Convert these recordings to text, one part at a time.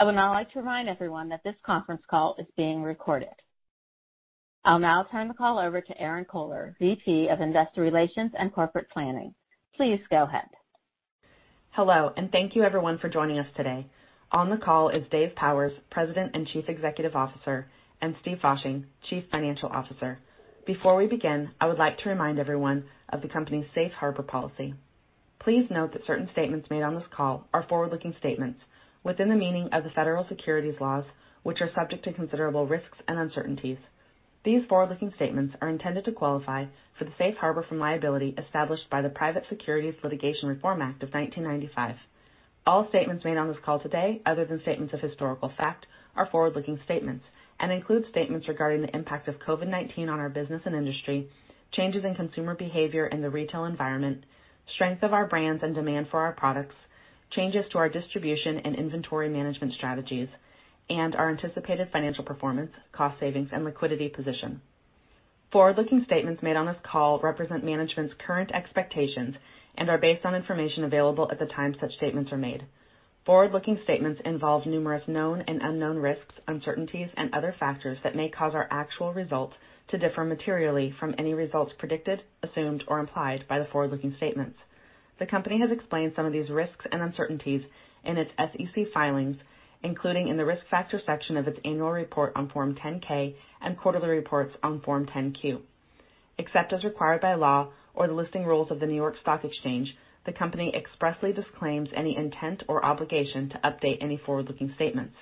I would now like to remind everyone that this conference call is being recorded. I'll now turn the call over to Erinn Kohler, VP of Investor Relations and Corporate Planning. Please go ahead. Hello, thank you everyone for joining us today. On the call is Dave Powers, President and Chief Executive Officer, and Steve Fasching, Chief Financial Officer. Before we begin, I would like to remind everyone of the company's safe harbor policy. Please note that certain statements made on this call are forward-looking statements within the meaning of the federal securities laws, which are subject to considerable risks and uncertainties. These forward-looking statements are intended to qualify for the safe harbor from liability established by the Private Securities Litigation Reform Act of 1995. All statements made on this call today, other than statements of historical fact, are forward-looking statements and include statements regarding the impact of COVID-19 on our business and industry, changes in consumer behavior in the retail environment, strength of our brands and demand for our products, changes to our distribution and inventory management strategies, and our anticipated financial performance, cost savings, and liquidity position. Forward-looking statements made on this call represent management's current expectations and are based on information available at the time such statements are made. Forward-looking statements involve numerous known and unknown risks, uncertainties, and other factors that may cause our actual results to differ materially from any results predicted, assumed, or implied by the forward-looking statements. The company has explained some of these risks and uncertainties in its SEC filings, including in the Risk Factors section of its annual report on Form 10-K and quarterly reports on Form 10-Q. Except as required by law or the listing rules of the New York Stock Exchange, the company expressly disclaims any intent or obligation to update any forward-looking statements.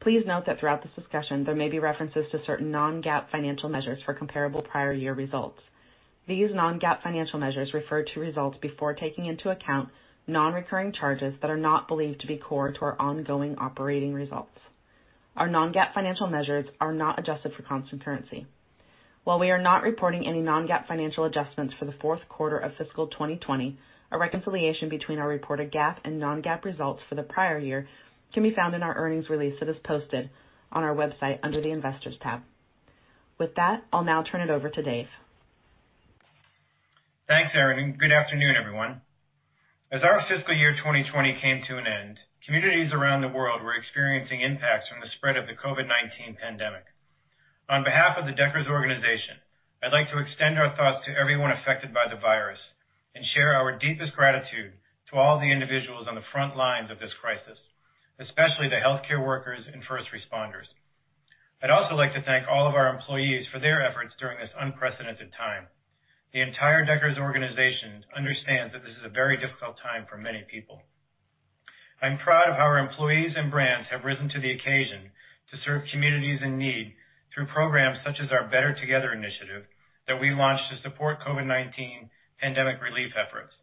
Please note that throughout this discussion, there may be references to certain non-GAAP financial measures for comparable prior year results. These non-GAAP financial measures refer to results before taking into account non-recurring charges that are not believed to be core to our ongoing operating results. Our non-GAAP financial measures are not adjusted for constant currency. While we are not reporting any non-GAAP financial adjustments for the fourth quarter of fiscal 2020, a reconciliation between our reported GAAP and non-GAAP results for the prior year can be found in our earnings release that is posted on our website under the Investors tab. With that, I'll now turn it over to Dave. Thanks, Erinn, good afternoon, everyone. As our fiscal year 2020 came to an end, communities around the world were experiencing impacts from the spread of the COVID-19 pandemic. On behalf of the Deckers organization, I'd like to extend our thoughts to everyone affected by the virus and share our deepest gratitude to all the individuals on the front lines of this crisis, especially the healthcare workers and first responders. I'd also like to thank all of our employees for their efforts during this unprecedented time. The entire Deckers organization understands that this is a very difficult time for many people. I'm proud of how our employees and brands have risen to the occasion to serve communities in need through programs such as our Better Together initiative that we launched to support COVID-19 pandemic relief efforts.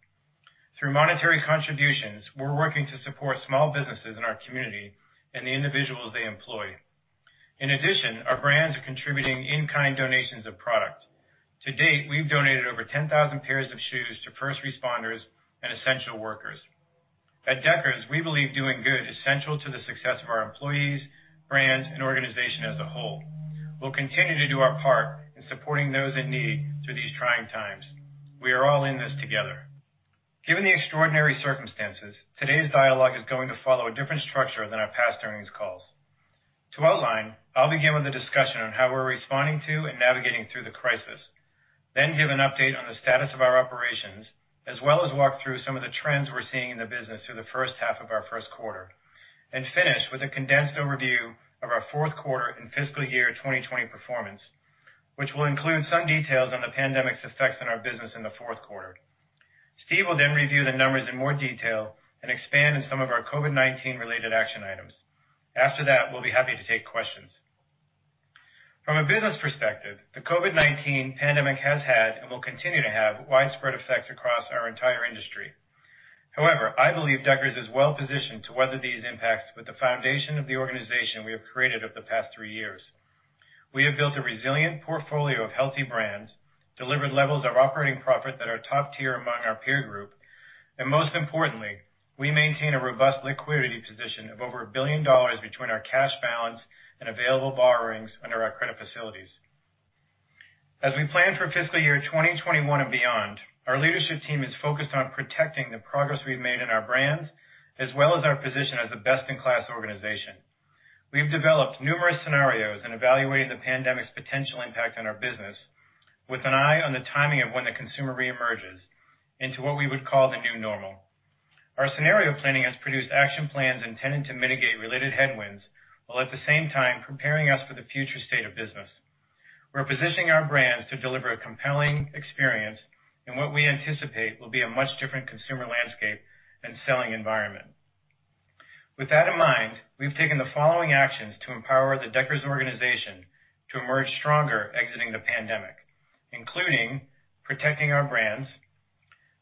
Through monetary contributions, we're working to support small businesses in our community and the individuals they employ. Our brands are contributing in-kind donations of product. To date, we've donated over 10,000 pairs of shoes to first responders and essential workers. At Deckers, we believe doing good is central to the success of our employees, brands, and organization as a whole. We'll continue to do our part in supporting those in need through these trying times. We are all in this together. Given the extraordinary circumstances, today's dialogue is going to follow a different structure than our past earnings calls. To outline, I will begin with a discussion on how we are responding to and navigating through the crisis, then give an update on the status of our operations, as well as walk through some of the trends we are seeing in the business through the first half of our first quarter, and finish with a condensed overview of our fourth quarter and fiscal year 2020 performance, which will include some details on the pandemic's effects on our business in the fourth quarter. Steve will then review the numbers in more detail and expand on some of our COVID-19 related action items. After that, we will be happy to take questions. From a business perspective, the COVID-19 pandemic has had, and will continue to have, widespread effects across our entire industry. I believe Deckers is well-positioned to weather these impacts with the foundation of the organization we have created over the past three years. We have built a resilient portfolio of healthy brands, delivered levels of operating profit that are top tier among our peer group, most importantly, we maintain a robust liquidity position of over $1 billion between our cash balance and available borrowings under our credit facilities. As we plan for FY 2021 and beyond, our leadership team is focused on protecting the progress we've made in our brands, as well as our position as a best-in-class organization. We've developed numerous scenarios in evaluating the pandemic's potential impact on our business with an eye on the timing of when the consumer re-emerges into what we would call the new normal. Our scenario planning has produced action plans intended to mitigate related headwinds, while at the same time preparing us for the future state of business. We're positioning our brands to deliver a compelling experience in what we anticipate will be a much different consumer landscape and selling environment. With that in mind, we've taken the following actions to empower the Deckers organization to emerge stronger exiting the pandemic, including protecting our brands,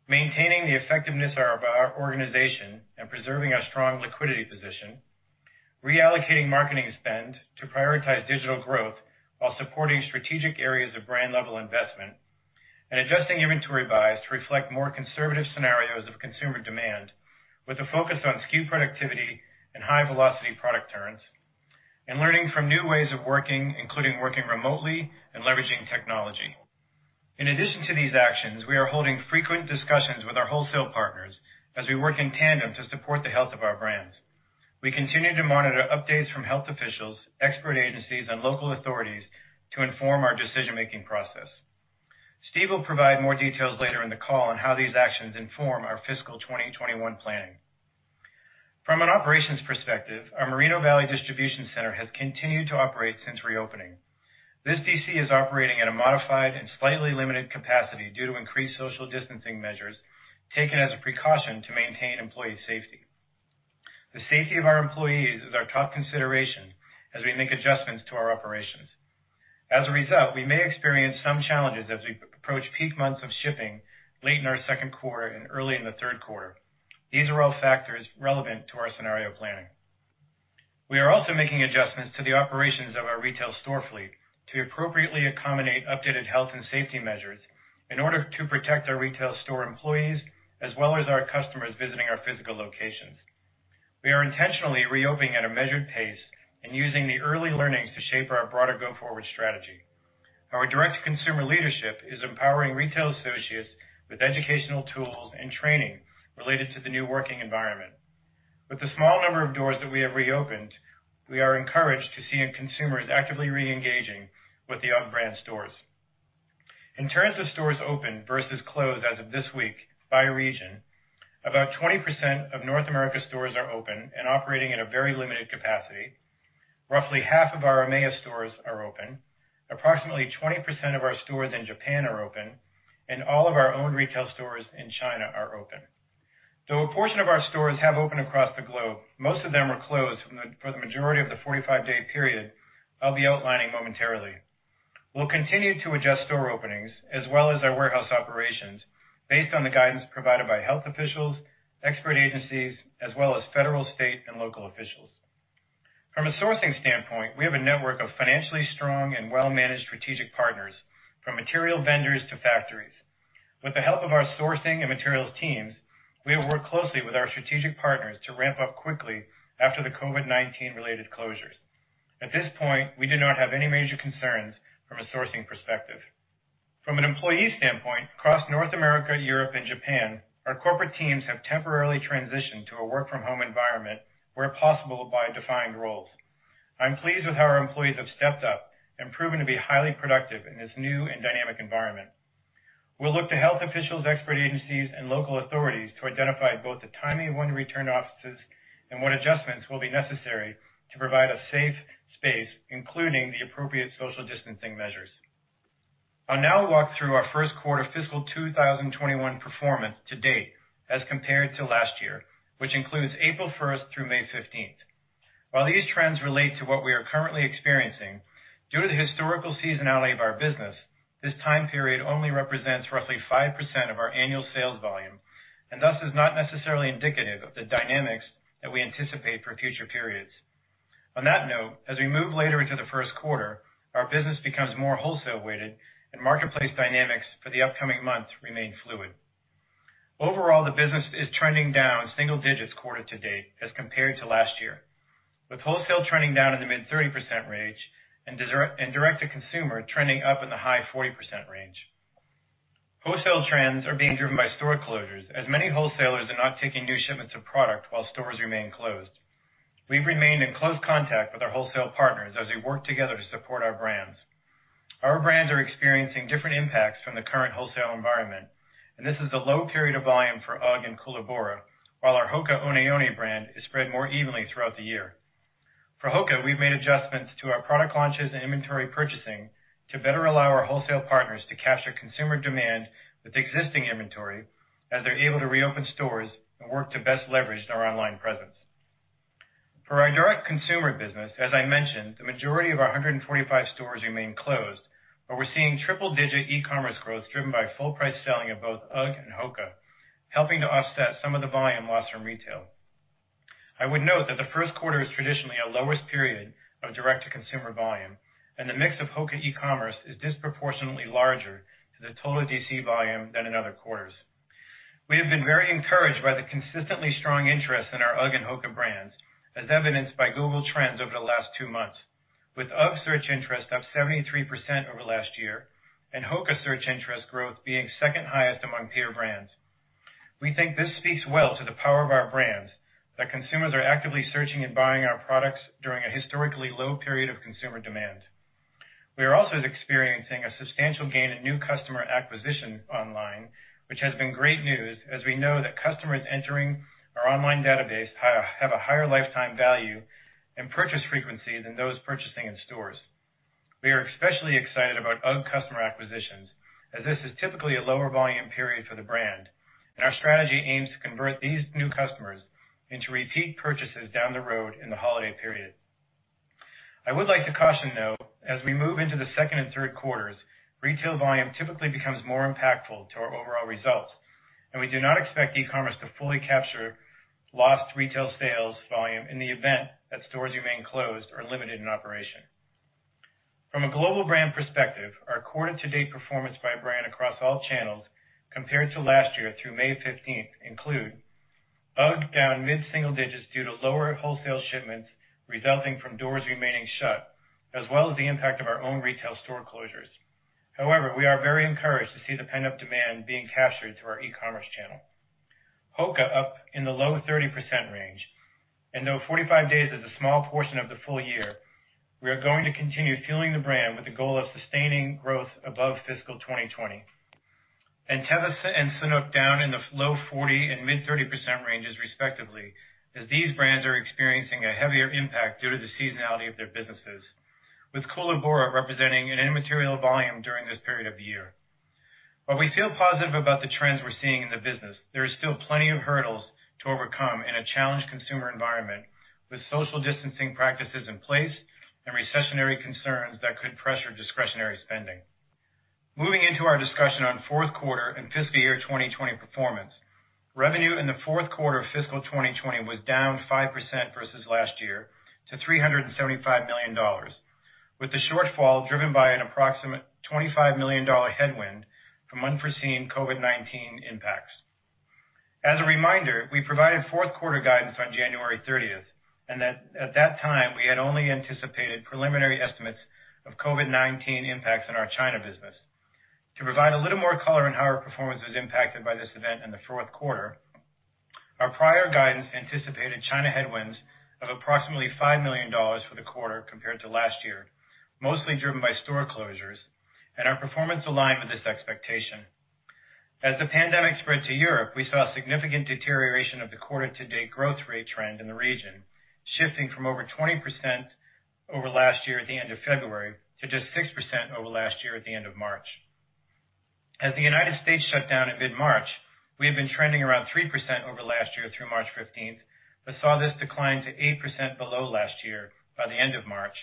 maintaining the effectiveness of our organization, and preserving our strong liquidity position, reallocating marketing spend to prioritize digital growth while supporting strategic areas of brand-level investment, and adjusting inventory buys to reflect more conservative scenarios of consumer demand with a focus on SKU productivity and high-velocity product turns, and learning from new ways of working, including working remotely and leveraging technology. In addition to these actions, we are holding frequent discussions with our wholesale partners as we work in tandem to support the health of our brands. We continue to monitor updates from health officials, expert agencies, and local authorities to inform our decision-making process. Steve will provide more details later in the call on how these actions inform our fiscal 2021 planning. From an operations perspective, our Moreno Valley distribution center has continued to operate since reopening. This DTC is operating at a modified and slightly limited capacity due to increased social distancing measures taken as a precaution to maintain employee safety. The safety of our employees is our top consideration as we make adjustments to our operations. As a result, we may experience some challenges as we approach peak months of shipping late in our second quarter and early in the third quarter. These are all factors relevant to our scenario planning. We are also making adjustments to the operations of our retail store fleet to appropriately accommodate updated health and safety measures in order to protect our retail store employees, as well as our customers visiting our physical locations. We are intentionally reopening at a measured pace and using the early learnings to shape our broader go-forward strategy. Our direct consumer leadership is empowering retail associates with educational tools and training related to the new working environment. With the small number of doors that we have reopened, we are encouraged to see consumers actively re-engaging with the UGG brand stores. In terms of stores open versus closed as of this week by region, about 20% of North America stores are open and operating at a very limited capacity. Roughly half of our EMEA stores are open. Approximately 20% of our stores in Japan are open, and all of our own retail stores in China are open. Though a portion of our stores have opened across the globe, most of them are closed for the majority of the 45-day period I'll be outlining momentarily. We'll continue to adjust store openings as well as our warehouse operations based on the guidance provided by health officials, expert agencies, as well as federal, state, and local officials. From a sourcing standpoint, we have a network of financially strong and well-managed strategic partners, from material vendors to factories. With the help of our sourcing and materials teams, we have worked closely with our strategic partners to ramp up quickly after the COVID-19 related closures. At this point, we do not have any major concerns from a sourcing perspective. From an employee standpoint, across North America, Europe, and Japan, our corporate teams have temporarily transitioned to a work-from-home environment where possible by defined roles. I'm pleased with how our employees have stepped up and proven to be highly productive in this new and dynamic environment. We'll look to health officials, expert agencies, and local authorities to identify both the timing of when to return to offices and what adjustments will be necessary to provide a safe space, including the appropriate social distancing measures. I'll now walk through our first quarter fiscal 2021 performance to date as compared to last year, which includes April 1st through May 15th. While these trends relate to what we are currently experiencing, due to the historical seasonality of our business, this time period only represents roughly 5% of our annual sales volume and thus is not necessarily indicative of the dynamics that we anticipate for future periods. On that note, as we move later into the first quarter, our business becomes more wholesale-weighted and marketplace dynamics for the upcoming months remain fluid. Overall, the business is trending down single digits quarter to date as compared to last year, with wholesale trending down in the mid 30% range and direct to consumer trending up in the high 40% range. Wholesale trends are being driven by store closures, as many wholesalers are not taking new shipments of product while stores remain closed. We've remained in close contact with our wholesale partners as we work together to support our brands. This is a low period of volume for UGG and Koolaburra, while our HOKA ONE ONE brand is spread more evenly throughout the year. For HOKA, we've made adjustments to our product launches and inventory purchasing to better allow our wholesale partners to capture consumer demand with existing inventory as they're able to reopen stores and work to best leverage our online presence. For our direct consumer business, as I mentioned, the majority of our 145 stores remain closed, but we're seeing triple-digit e-commerce growth driven by full price selling of both UGG and HOKA, helping to offset some of the volume lost from retail. I would note that the first quarter is traditionally our lowest period of direct-to-consumer volume, and the mix of HOKA e-commerce is disproportionately larger to the total DC volume than in other quarters. We have been very encouraged by the consistently strong interest in our UGG and HOKA brands, as evidenced by Google Trends over the last two months, with UGG search interest up 73% over last year and HOKA search interest growth being second highest among peer brands. We think this speaks well to the power of our brands that consumers are actively searching and buying our products during a historically low period of consumer demand. We are also experiencing a substantial gain in new customer acquisition online, which has been great news as we know that customers entering our online database have a higher lifetime value and purchase frequency than those purchasing in stores. We are especially excited about UGG customer acquisitions, as this is typically a lower volume period for the brand, and our strategy aims to convert these new customers into repeat purchases down the road in the holiday period. I would like to caution, though, as we move into the second and third quarters, retail volume typically becomes more impactful to our overall results, and we do not expect e-commerce to fully capture lost retail sales volume in the event that stores remain closed or limited in operation. From a global brand perspective, our quarter to date performance by brand across all channels compared to last year through May 15th include UGG down mid-single digits due to lower wholesale shipments resulting from doors remaining shut, as well as the impact of our own retail store closures. However, we are very encouraged to see the pent-up demand being captured through our e-commerce channel. HOKA up in the low 30% range. Though 45 days is a small portion of the full year, we are going to continue fueling the brand with the goal of sustaining growth above fiscal 2020. Teva and Sanuk down in the low 40% and mid-30% ranges respectively, as these brands are experiencing a heavier impact due to the seasonality of their businesses, with Koolaburra representing an immaterial volume during this period of the year. While we feel positive about the trends we're seeing in the business, there is still plenty of hurdles to overcome in a challenged consumer environment with social distancing practices in place and recessionary concerns that could pressure discretionary spending. Moving into our discussion on fourth quarter and fiscal year 2020 performance. Revenue in the fourth quarter of fiscal 2020 was down 5% versus last year to $375 million, with the shortfall driven by an approximate $25 million headwind from unforeseen COVID-19 impacts. As a reminder, we provided fourth quarter guidance on January 30th, and at that time, we had only anticipated preliminary estimates of COVID-19 impacts on our China business. To provide a little more color on how our performance was impacted by this event in the fourth quarter, our prior guidance anticipated China headwinds of approximately $5 million for the quarter compared to last year, mostly driven by store closures, and our performance aligned with this expectation. As the pandemic spread to Europe, we saw a significant deterioration of the quarter to date growth rate trend in the region, shifting from over 20% over last year at the end of February to just 6% over last year at the end of March. As the United States shut down in mid-March, we had been trending around 3% over last year through March 15th, but saw this decline to 8% below last year by the end of March,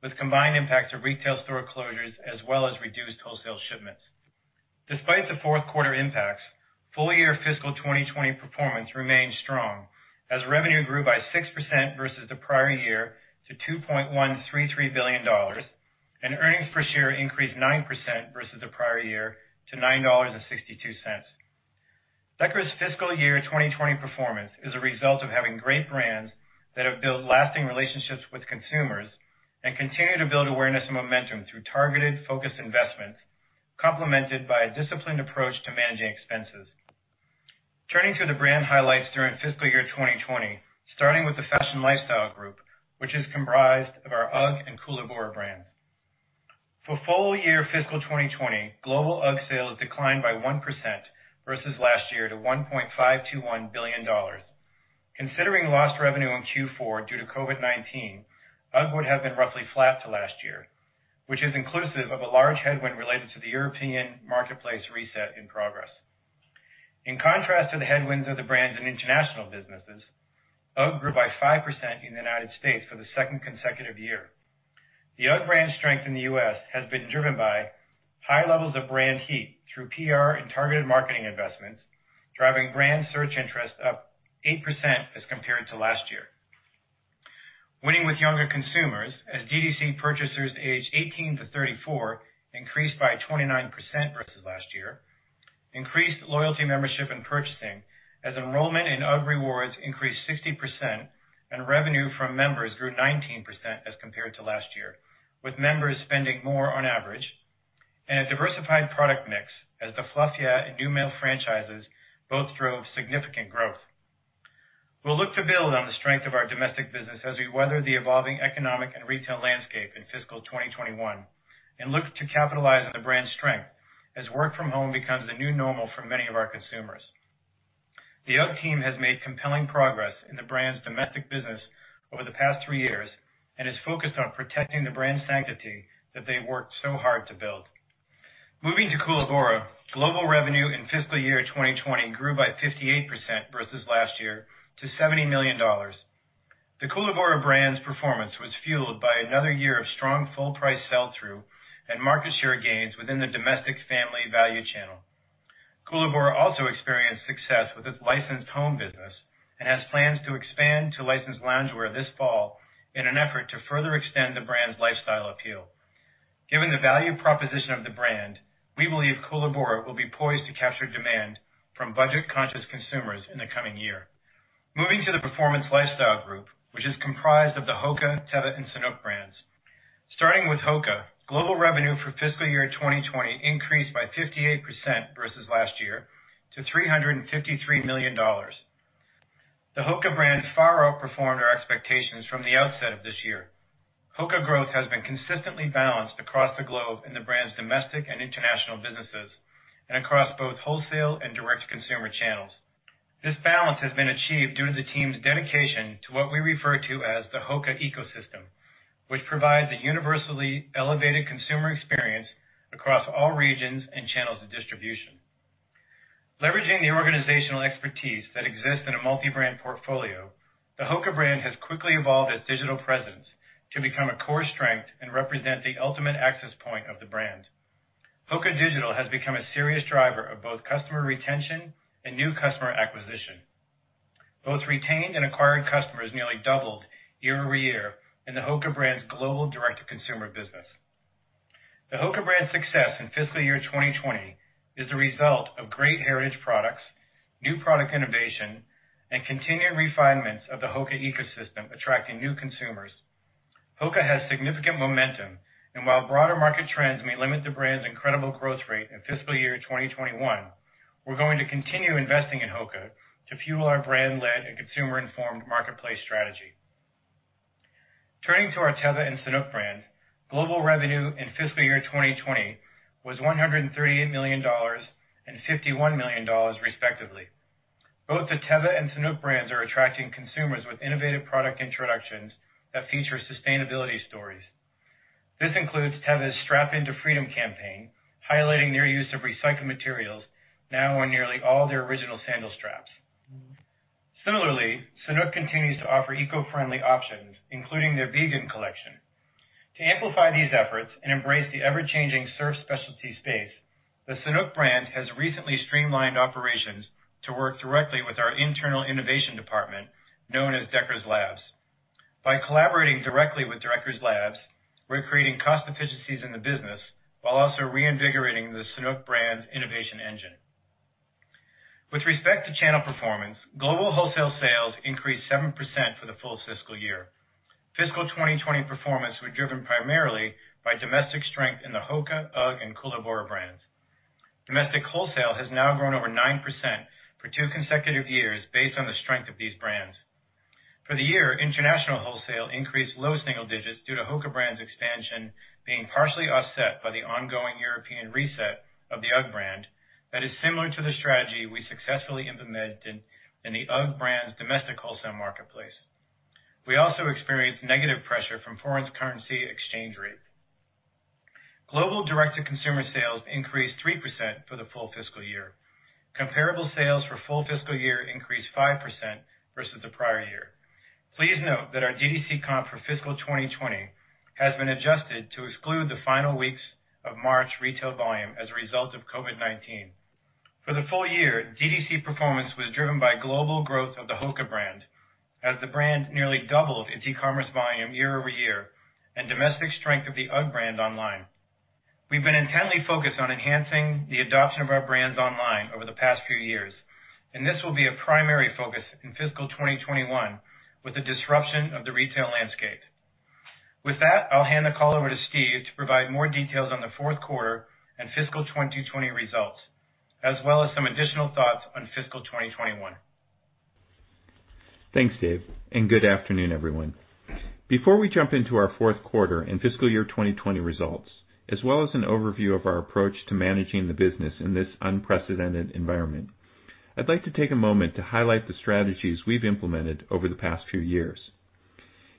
with combined impacts of retail store closures as well as reduced wholesale shipments. Despite the fourth quarter impacts, full-year fiscal 2020 performance remained strong as revenue grew by 6% versus the prior year to $2.133 billion, and earnings per share increased 9% versus the prior year to $9.62. Deckers' fiscal year 2020 performance is a result of having great brands that have built lasting relationships with consumers and continue to build awareness and momentum through targeted, focused investments, complemented by a disciplined approach to managing expenses. Turning to the brand highlights during fiscal year 2020, starting with the Fashion Lifestyle Group, which is comprised of our UGG and Koolaburra brands. For full-year fiscal 2020, global UGG sales declined by 1% versus last year to $1.521 billion. Considering lost revenue in Q4 due to COVID-19, UGG would have been roughly flat to last year, which is inclusive of a large headwind related to the European marketplace reset in progress. In contrast to the headwinds of the brand's international businesses, UGG grew by 5% in the U.S. for the second consecutive year. The UGG brand strength in the U.S. has been driven by high levels of brand heat through PR and targeted marketing investments, driving brand search interest up 8% as compared to last year. Winning with younger consumers as DTC purchasers aged 18-34 increased by 29% versus last year, increased loyalty membership and purchasing as enrollment in UGG Rewards increased 60%, and revenue from members grew 19% as compared to last year, with members spending more on average, and a diversified product mix as the Fluff Yeah and Neumel franchises both drove significant growth. We'll look to build on the strength of our domestic business as we weather the evolving economic and retail landscape in fiscal 2021 and look to capitalize on the brand's strength as work from home becomes the new normal for many of our consumers. The UGG team has made compelling progress in the brand's domestic business over the past three years and is focused on protecting the brand sanctity that they worked so hard to build. Moving to Koolaburra, global revenue in fiscal year 2020 grew by 58% versus last year to $70 million. The Koolaburra brand's performance was fueled by another year of strong full price sell-through and market share gains within the domestic family value channel. Koolaburra also experienced success with its licensed home business and has plans to expand to licensed loungewear this fall in an effort to further extend the brand's lifestyle appeal. Given the value proposition of the brand, we believe Koolaburra will be poised to capture demand from budget-conscious consumers in the coming year. Moving to the Performance Lifestyle Group, which is comprised of the HOKA, Teva, and Sanuk brands. Starting with HOKA, global revenue for fiscal year 2020 increased by 58% versus last year to $353 million. The HOKA brand far outperformed our expectations from the outset of this year. HOKA growth has been consistently balanced across the globe in the brand's domestic and international businesses and across both wholesale and direct-to-consumer channels. This balance has been achieved due to the team's dedication to what we refer to as the HOKA ecosystem, which provides a universally elevated consumer experience across all regions and channels of distribution. Leveraging the organizational expertise that exists in a multi-brand portfolio, the HOKA brand has quickly evolved its digital presence to become a core strength and represent the ultimate access point of the brand. HOKA digital has become a serious driver of both customer retention and new customer acquisition. Both retained and acquired customers nearly doubled year-over-year in the HOKA brand's global direct-to-consumer business. The HOKA brand success in fiscal year 2020 is the result of great heritage products, new product innovation, and continued refinements of the HOKA ecosystem attracting new consumers. HOKA has significant momentum, and while broader market trends may limit the brand's incredible growth rate in fiscal year 2021, we're going to continue investing in HOKA to fuel our brand-led and consumer-informed marketplace strategy. Turning to our Teva and Sanuk brand, global revenue in fiscal year 2020 was $138 million and $51 million respectively. Both the Teva and Sanuk brands are attracting consumers with innovative product introductions that feature sustainability stories. This includes Teva's Strap Into Freedom campaign, highlighting their use of recycled materials now on nearly all their original sandal straps. Similarly, Sanuk continues to offer eco-friendly options, including their vegan collection. To amplify these efforts and embrace the ever-changing surf specialty space, the Sanuk brand has recently streamlined operations to work directly with our internal innovation department, known as Deckers Labs. By collaborating directly with Deckers Labs, we're creating cost efficiencies in the business while also reinvigorating the Sanuk brand's innovation engine. With respect to channel performance, global wholesale sales increased 7% for the full fiscal year. Fiscal 2020 performance was driven primarily by domestic strength in the HOKA, UGG, and Koolaburra brands. Domestic wholesale has now grown over 9% for two consecutive years based on the strength of these brands. For the year, international wholesale increased low single digits due to HOKA brand's expansion being partially offset by the ongoing European reset of the UGG brand that is similar to the strategy we successfully implemented in the UGG brand's domestic wholesale marketplace. We also experienced negative pressure from foreign currency exchange rates. Global direct-to-consumer sales increased 3% for the full fiscal year. Comparable sales for full fiscal year increased 5% versus the prior year. Please note that our DTC comp for fiscal 2020 has been adjusted to exclude the final weeks of March retail volume as a result of COVID-19. For the full year, DTC performance was driven by global growth of the HOKA brand, as the brand nearly doubled its e-commerce volume year-over-year and domestic strength of the UGG brand online. We've been intently focused on enhancing the adoption of our brands online over the past few years. This will be a primary focus in fiscal 2021 with the disruption of the retail landscape. With that, I'll hand the call over to Steve to provide more details on the fourth quarter and fiscal 2020 results, as well as some additional thoughts on fiscal 2021. Thanks, Dave, and good afternoon, everyone. Before we jump into our fourth quarter and fiscal year 2020 results, as well as an overview of our approach to managing the business in this unprecedented environment, I'd like to take a moment to highlight the strategies we've implemented over the past few years.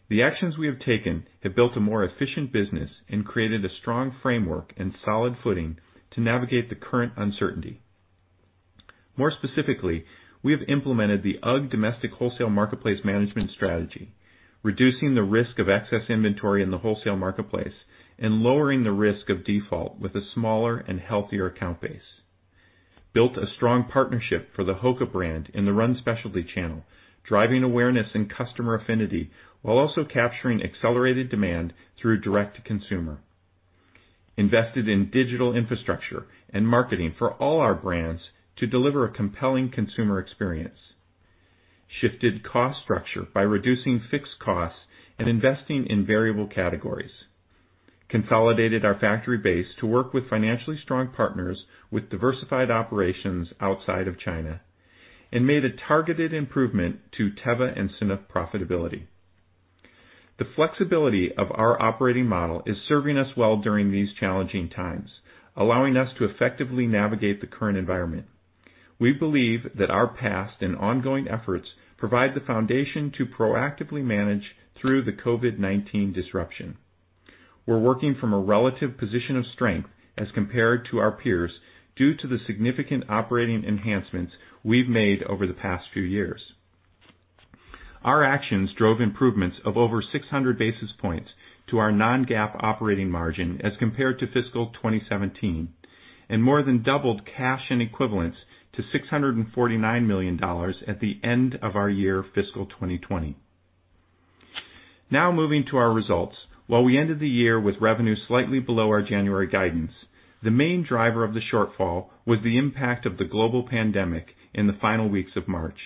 The actions we have taken have built a more efficient business and created a strong framework and solid footing to navigate the current uncertainty. More specifically, we have implemented the UGG domestic wholesale marketplace management strategy, reducing the risk of excess inventory in the wholesale marketplace and lowering the risk of default with a smaller and healthier account base. Built a strong partnership for the HOKA brand in the run specialty channel, driving awareness and customer affinity while also capturing accelerated demand through direct-to-consumer. Invested in digital infrastructure and marketing for all our brands to deliver a compelling consumer experience. Shifted cost structure by reducing fixed costs and investing in variable categories. Consolidated our factory base to work with financially strong partners with diversified operations outside of China, and made a targeted improvement to Teva and Sanuk profitability. The flexibility of our operating model is serving us well during these challenging times, allowing us to effectively navigate the current environment. We believe that our past and ongoing efforts provide the foundation to proactively manage through the COVID-19 disruption. We're working from a relative position of strength as compared to our peers due to the significant operating enhancements we've made over the past few years. Our actions drove improvements of over 600 basis points to our non-GAAP operating margin as compared to fiscal 2017, and more than doubled cash and equivalents to $649 million at the end of our year fiscal 2020. Moving to our results. While we ended the year with revenue slightly below our January guidance, the main driver of the shortfall was the impact of the global pandemic in the final weeks of March.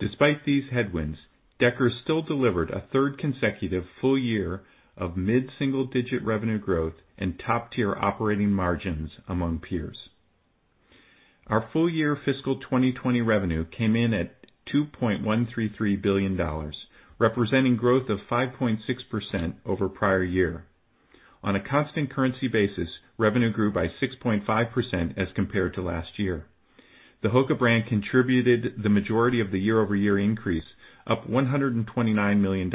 Despite these headwinds, Deckers still delivered a third consecutive full year of mid-single-digit revenue growth and top-tier operating margins among peers. Our full-year fiscal 2020 revenue came in at $2.133 billion, representing growth of 5.6% over prior year. On a constant currency basis, revenue grew by 6.5% as compared to last year. The HOKA brand contributed the majority of the year-over-year increase, up $129 million,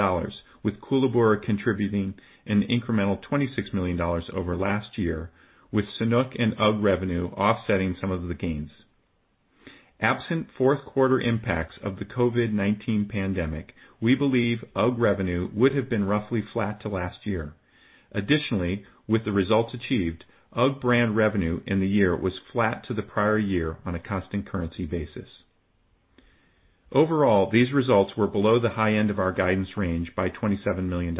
with Koolaburra contributing an incremental $26 million over last year, with Sanuk and UGG revenue offsetting some of the gains. Absent fourth quarter impacts of the COVID-19 pandemic, we believe UGG revenue would have been roughly flat to last year. Additionally, with the results achieved, UGG brand revenue in the year was flat to the prior year on a constant currency basis. Overall, these results were below the high end of our guidance range by $27 million.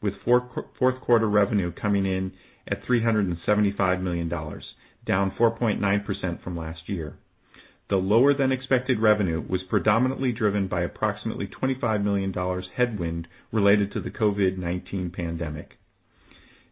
With fourth quarter revenue coming in at $375 million, down 4.9% from last year. The lower-than-expected revenue was predominantly driven by approximately $25 million headwind related to the COVID-19 pandemic.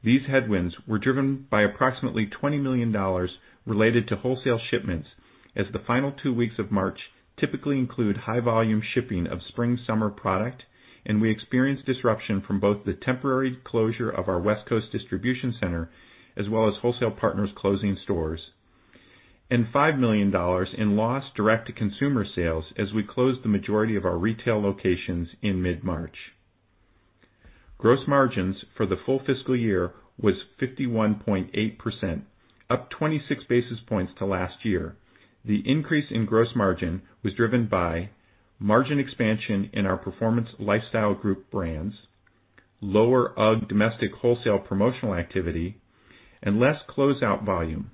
These headwinds were driven by approximately $20 million related to wholesale shipments, as the final two weeks of March typically include high-volume shipping of spring-summer product, and we experienced disruption from both the temporary closure of our West Coast distribution center, as well as wholesale partners closing stores. $5 million in lost direct-to-consumer sales as we closed the majority of our retail locations in mid-March. Gross margins for the full fiscal year was 51.8%, up 26 basis points to last year. The increase in gross margin was driven by margin expansion in our Performance Lifestyle Group brands, lower UGG domestic wholesale promotional activity, and less closeout volume,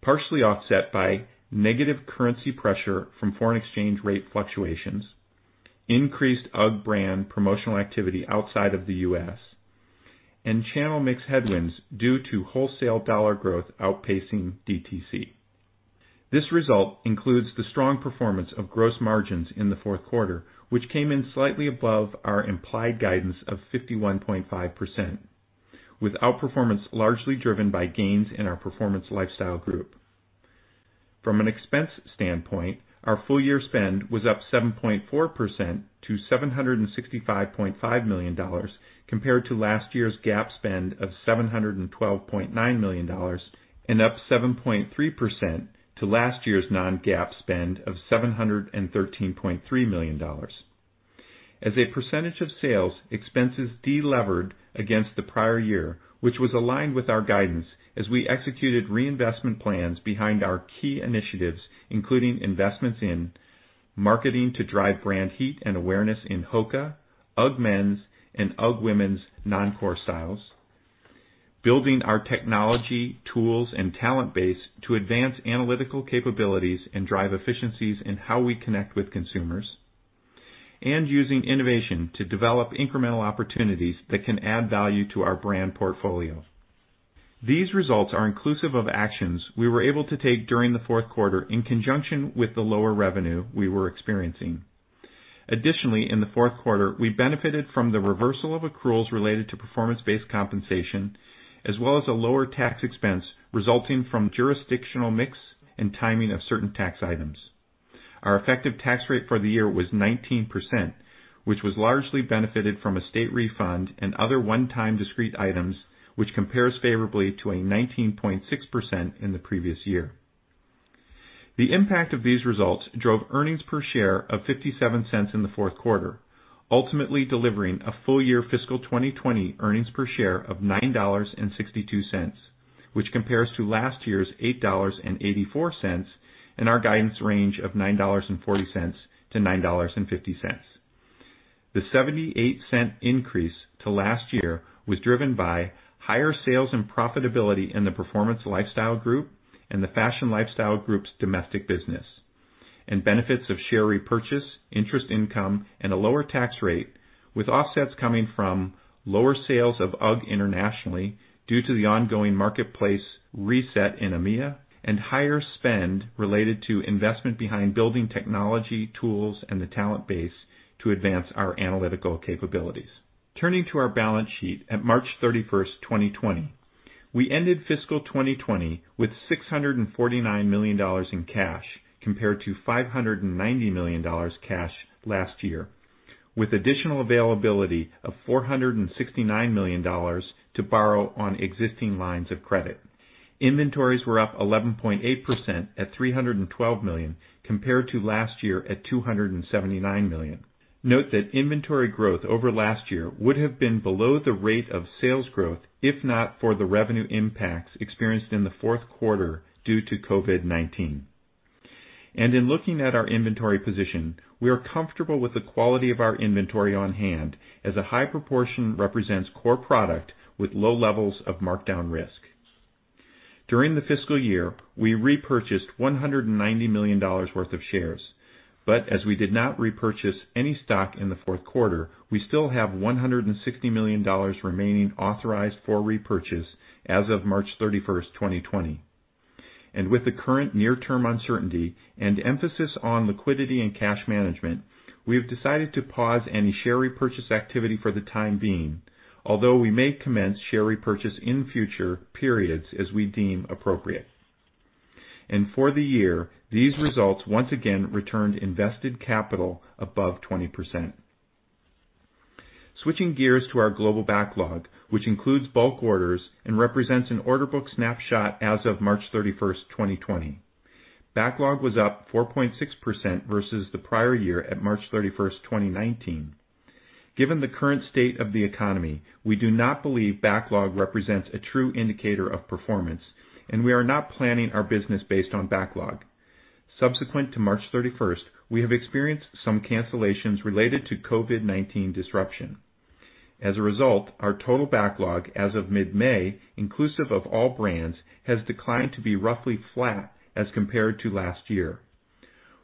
partially offset by negative currency pressure from foreign exchange rate fluctuations, increased UGG brand promotional activity outside of the U.S., and channel mix headwinds due to wholesale dollar growth outpacing DTC. This result includes the strong performance of gross margins in the fourth quarter, which came in slightly above our implied guidance of 51.5%, with outperformance largely driven by gains in our Performance Lifestyle Group. From an expense standpoint, our full-year spend was up 7.4% to $765.5 million compared to last year's GAAP spend of $712.9 million, and up 7.3% to last year's non-GAAP spend of $713.3 million. As a percentage of sales, expenses de-levered against the prior year, which was aligned with our guidance as we executed reinvestment plans behind our key initiatives, including investments in marketing to drive brand heat and awareness in HOKA, UGG men's, and UGG women's non-core styles. Building our technology tools and talent base to advance analytical capabilities and drive efficiencies in how we connect with consumers, and using innovation to develop incremental opportunities that can add value to our brand portfolio. These results are inclusive of actions we were able to take during the fourth quarter in conjunction with the lower revenue we were experiencing. Additionally, in the fourth quarter, we benefited from the reversal of accruals related to performance-based compensation, as well as a lower tax expense resulting from jurisdictional mix and timing of certain tax items. Our effective tax rate for the year was 19%, which was largely benefited from a state refund and other one-time discrete items, which compares favorably to a 19.6% in the previous year. The impact of these results drove earnings per share of $0.57 in the fourth quarter, ultimately delivering a full-year fiscal 2020 earnings per share of $9.62, which compares to last year's $8.84, and our guidance range of $9.40-$9.50. The $0.78 increase to last year was driven by higher sales and profitability in the Performance Lifestyle Group and the Fashion Lifestyle Group's domestic business, and benefits of share repurchase, interest income, and a lower tax rate, with offsets coming from lower sales of UGG internationally due to the ongoing marketplace reset in EMEA and higher spend related to investment behind building technology tools and the talent base to advance our analytical capabilities. Turning to our balance sheet at March 31st, 2020. We ended fiscal 2020 with $649 million in cash compared to $590 million cash last year, with additional availability of $469 million to borrow on existing lines of credit. Inventories were up 11.8% at $312 million compared to last year at $279 million. Note that inventory growth over last year would have been below the rate of sales growth if not for the revenue impacts experienced in the fourth quarter due to COVID-19. In looking at our inventory position, we are comfortable with the quality of our inventory on hand, as a high proportion represents core product with low levels of markdown risk. During the fiscal year, we repurchased $190 million worth of shares. As we did not repurchase any stock in the fourth quarter, we still have $160 million remaining authorized for repurchase as of March 31st, 2020. With the current near-term uncertainty and emphasis on liquidity and cash management, we have decided to pause any share repurchase activity for the time being. Although we may commence share repurchase in future periods as we deem appropriate. For the year, these results once again returned invested capital above 20%. Switching gears to our global backlog, which includes bulk orders and represents an order book snapshot as of March 31st, 2020. Backlog was up 4.6% versus the prior year at March 31st, 2019. Given the current state of the economy, we do not believe backlog represents a true indicator of performance, and we are not planning our business based on backlog. Subsequent to March 31st, we have experienced some cancellations related to COVID-19 disruption. As a result, our total backlog as of mid-May, inclusive of all brands, has declined to be roughly flat as compared to last year.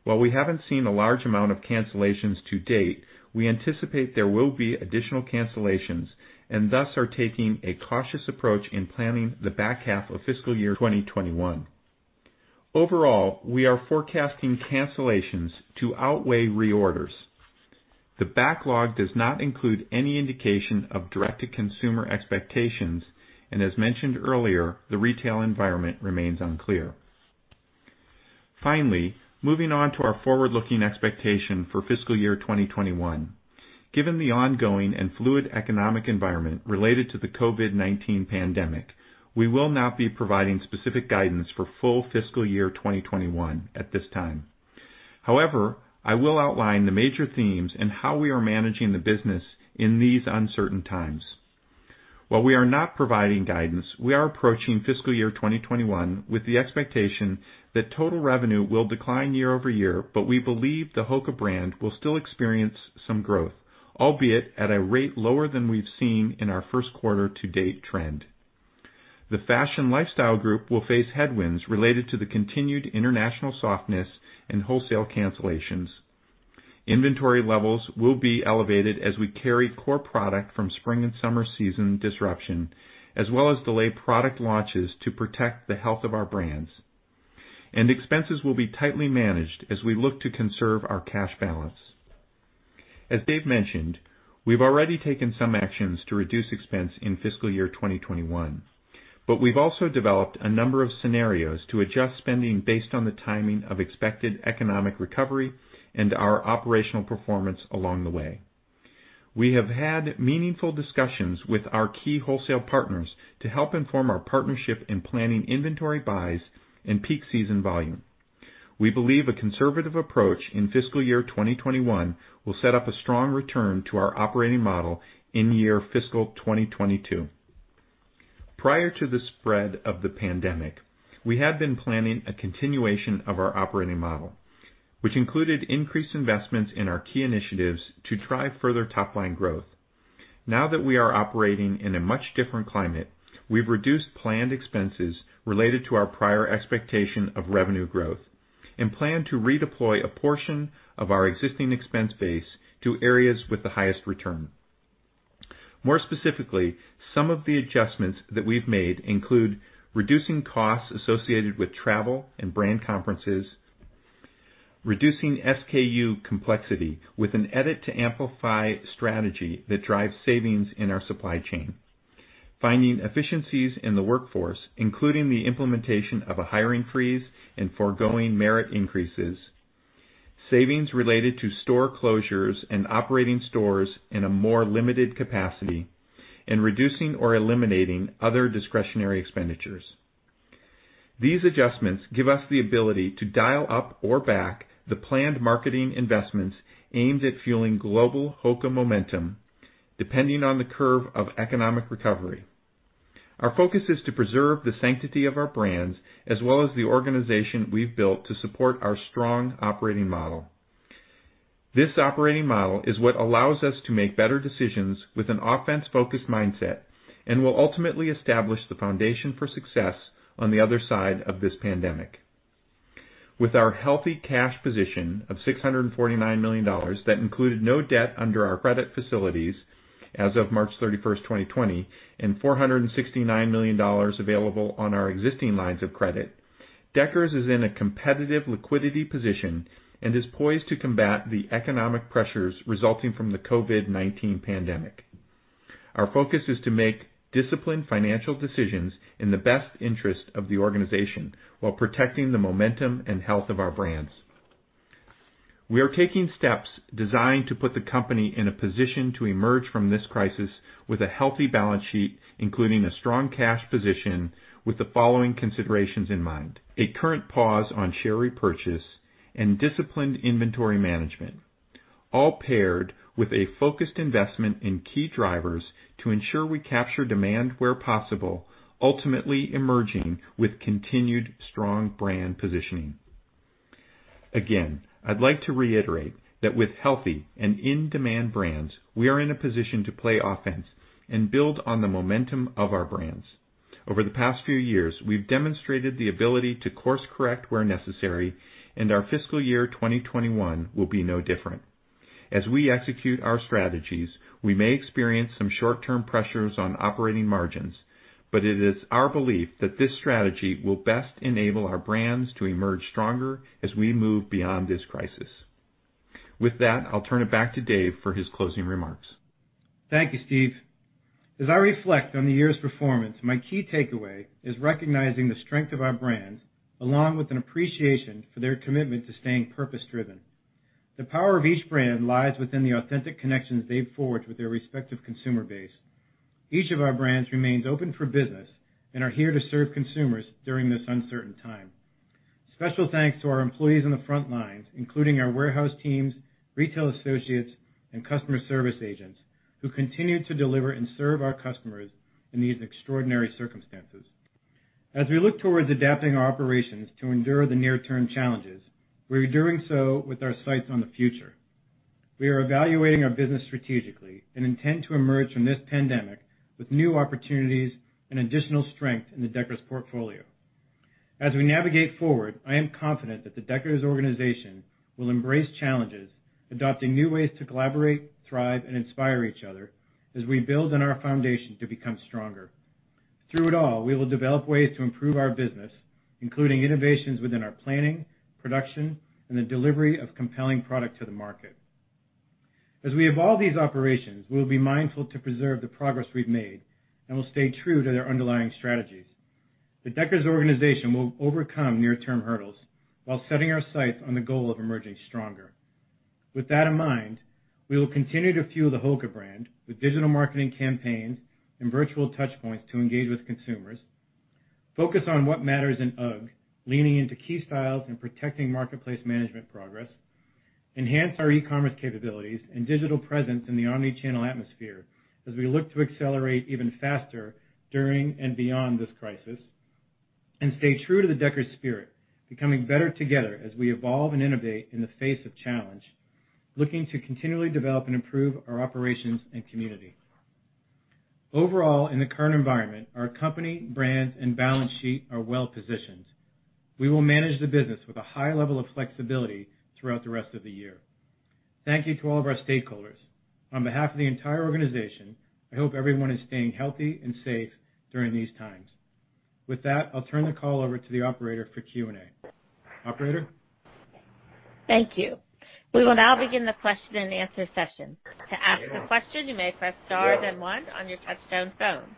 While we haven't seen a large amount of cancellations to date, we anticipate there will be additional cancellations, and thus are taking a cautious approach in planning the back half of fiscal year 2021. Overall, we are forecasting cancellations to outweigh reorders. The backlog does not include any indication of direct-to-consumer expectations, and as mentioned earlier, the retail environment remains unclear. Moving on to our forward-looking expectation for fiscal year 2021. Given the ongoing and fluid economic environment related to the COVID-19 pandemic, we will not be providing specific guidance for full fiscal year 2021 at this time. I will outline the major themes and how we are managing the business in these uncertain times. While we are not providing guidance, we are approaching fiscal year 2021 with the expectation that total revenue will decline year-over-year, but we believe the HOKA brand will still experience some growth, albeit at a rate lower than we've seen in our first quarter to date trend. The Fashion Lifestyle Group will face headwinds related to the continued international softness in wholesale cancellations. Inventory levels will be elevated as we carry core product from spring and summer season disruption, as well as delay product launches to protect the health of our brands. Expenses will be tightly managed as we look to conserve our cash balance. As Dave mentioned, we've already taken some actions to reduce expense in fiscal year 2021, but we've also developed a number of scenarios to adjust spending based on the timing of expected economic recovery and our operational performance along the way. We have had meaningful discussions with our key wholesale partners to help inform our partnership in planning inventory buys and peak season volume. We believe a conservative approach in fiscal year 2021 will set up a strong return to our operating model in year fiscal 2022. Prior to the spread of the pandemic, we had been planning a continuation of our operating model, which included increased investments in our key initiatives to drive further top-line growth. Now that we are operating in a much different climate, we've reduced planned expenses related to our prior expectation of revenue growth and plan to redeploy a portion of our existing expense base to areas with the highest return. More specifically, some of the adjustments that we've made include reducing costs associated with travel and brand conferences, reducing SKU complexity with an edit-to-amplify strategy that drives savings in our supply chain, finding efficiencies in the workforce, including the implementation of a hiring freeze and foregoing merit increases, savings related to store closures and operating stores in a more limited capacity, and reducing or eliminating other discretionary expenditures. These adjustments give us the ability to dial up or back the planned marketing investments aimed at fueling global HOKA momentum, depending on the curve of economic recovery. Our focus is to preserve the sanctity of our brands as well as the organization we've built to support our strong operating model. This operating model is what allows us to make better decisions with an offense-focused mindset and will ultimately establish the foundation for success on the other side of this pandemic. With our healthy cash position of $649 million that included no debt under our credit facilities as of March 31st, 2020, and $469 million available on our existing lines of credit, Deckers is in a competitive liquidity position and is poised to combat the economic pressures resulting from the COVID-19 pandemic. Our focus is to make disciplined financial decisions in the best interest of the organization while protecting the momentum and health of our brands. We are taking steps designed to put the company in a position to emerge from this crisis with a healthy balance sheet, including a strong cash position with the following considerations in mind. A current pause on share repurchase and disciplined inventory management, all paired with a focused investment in key drivers to ensure we capture demand where possible, ultimately emerging with continued strong brand positioning. Again, I'd like to reiterate that with healthy and in-demand brands, we are in a position to play offense and build on the momentum of our brands. Over the past few years, we've demonstrated the ability to course-correct where necessary, and our fiscal year 2021 will be no different. As we execute our strategies, we may experience some short-term pressures on operating margins, but it is our belief that this strategy will best enable our brands to emerge stronger as we move beyond this crisis. With that, I'll turn it back to Dave for his closing remarks. Thank you, Steve. As I reflect on the year's performance, my key takeaway is recognizing the strength of our brands, along with an appreciation for their commitment to staying purpose-driven. The power of each brand lies within the authentic connections they've forged with their respective consumer base. Each of our brands remains open for business and are here to serve consumers during this uncertain time. Special thanks to our employees on the front lines, including our warehouse teams, retail associates, and customer service agents, who continue to deliver and serve our customers in these extraordinary circumstances. As we look towards adapting our operations to endure the near-term challenges, we are doing so with our sights on the future. We are evaluating our business strategically and intend to emerge from this pandemic with new opportunities and additional strength in the Deckers portfolio. As we navigate forward, I am confident that the Deckers organization will embrace challenges, adopting new ways to collaborate, thrive, and inspire each other as we build on our foundation to become stronger. Through it all, we will develop ways to improve our business, including innovations within our planning, production, and the delivery of compelling product to the market. As we evolve these operations, we will be mindful to preserve the progress we've made and will stay true to their underlying strategies. The Deckers organization will overcome near-term hurdles while setting our sights on the goal of emerging stronger. With that in mind, we will continue to fuel the HOKA brand with digital marketing campaigns and virtual touchpoints to engage with consumers; focus on what matters in UGG, leaning into key styles and protecting marketplace management progress; enhance our e-commerce capabilities and digital presence in the omni-channel atmosphere as we look to accelerate even faster during and beyond this crisis; and stay true to the Deckers spirit, becoming Better Together as we evolve and innovate in the face of challenge, looking to continually develop and improve our operations and community. Overall, in the current environment, our company, brands, and balance sheet are well-positioned. We will manage the business with a high level of flexibility throughout the rest of the year. Thank you to all of our stakeholders. On behalf of the entire organization, I hope everyone is staying healthy and safe during these times. With that, I'll turn the call over to the operator for Q&A. Operator? Thank you. We will now begin the question and answer session. To ask a question, you may press star then one on your touchtone phone.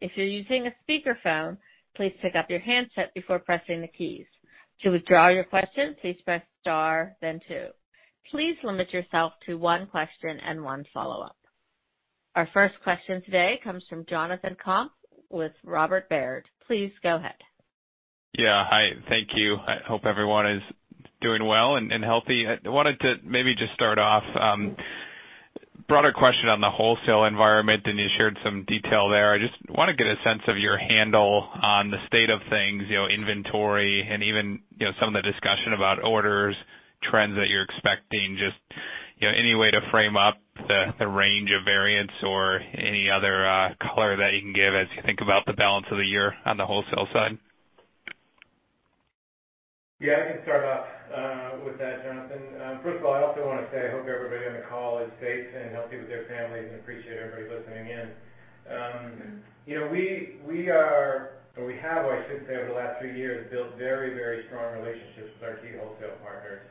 If you're using a speakerphone, please pick up your handset before pressing the keys. To withdraw your question, please press star then two. Please limit yourself to one question and one follow-up. Our first question today comes from Jonathan Komp with Robert Baird. Please go ahead. Yeah. Hi. Thank you. I hope everyone is doing well and healthy. I wanted to maybe just start off, broader question on the wholesale environment, and you shared some detail there. I just want to get a sense of your handle on the state of things, inventory and even some of the discussion about orders, trends that you're expecting. Just any way to frame up the range of variance or any other color that you can give as you think about the balance of the year on the wholesale side? Yeah, I can start off with that, Jonathan. First of all, I also want to say, I hope everybody on the call is safe and healthy with their families and appreciate everybody listening in. We have, I should say, over the last three years, built very strong relationships with our key wholesale partners.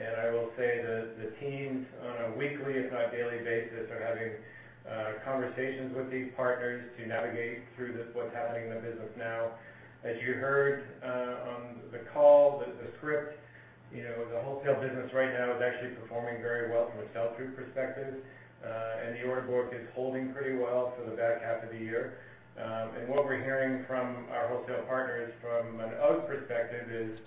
I will say the teams on a weekly, if not daily basis, are having conversations with these partners to navigate through what's happening in the business now. As you heard on the call, the script, the wholesale business right now is actually performing very well from a sell-through perspective. The order book is holding pretty well for the back half of the year. What we're hearing from our wholesale partners from an UGG perspective is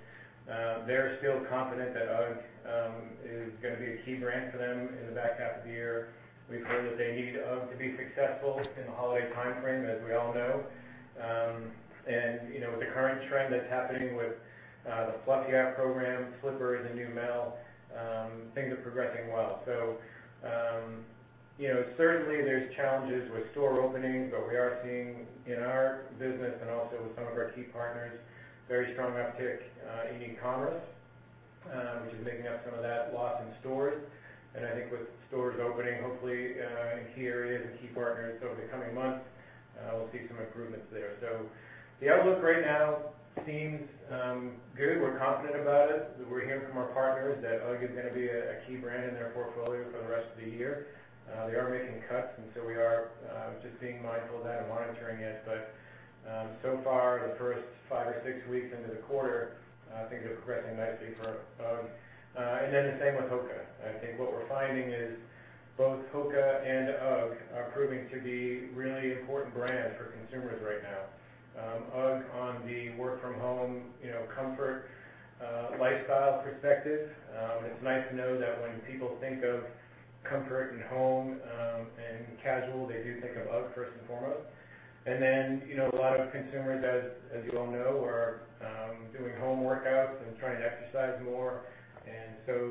they're still confident that UGG is going to be a key brand for them in the back half of the year. We've heard that they need UGG to be successful in the holiday timeframe, as we all know. With the current trend that's happening with the Fluff Yeah program, slippers and Neumel, things are progressing well. Certainly, there's challenges with store openings, but we are seeing in our business and also with some of our key partners, very strong uptick in e-commerce, which is making up some of that loss in stores. I think with stores opening, hopefully in key areas and key partners over the coming months, we'll see some improvements there. The outlook right now seems good. We're confident about it. We're hearing from our partners that UGG is going to be a key brand in their portfolio for the rest of the year. They are making cuts, so we are just being mindful of that and monitoring it. So far, the first five or six weeks into the quarter, I think is progressing nicely for UGG. The same with HOKA. I think what we're finding is both HOKA and UGG are proving to be really important brands for consumers right now. UGG on the work from home comfort lifestyle perspective. It's nice to know that when people think of comfort and home and casual, they do think of UGG first and foremost. A lot of consumers, as you all know, are doing home workouts and trying to exercise more.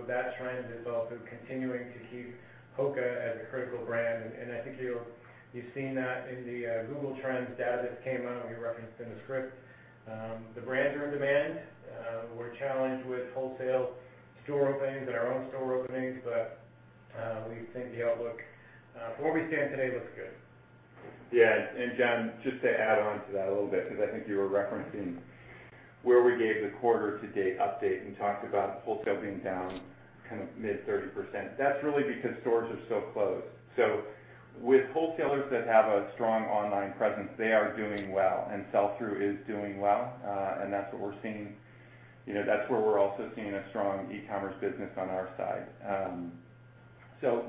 That trend is also continuing to keep HOKA as a critical brand. I think you've seen that in the Google Trends data that came out, we referenced in the script. The brands are in demand. We're challenged with wholesale store openings and our own store openings, but we think the outlook from where we stand today looks good. Yeah. John, just to add on to that a little bit, because I think you were referencing where we gave the quarter-to-date update and talked about wholesale being down mid 30%. That's really because stores are still closed. With wholesalers that have a strong online presence, they are doing well, and sell-through is doing well. That's what we're seeing. That's where we're also seeing a strong e-commerce business on our side.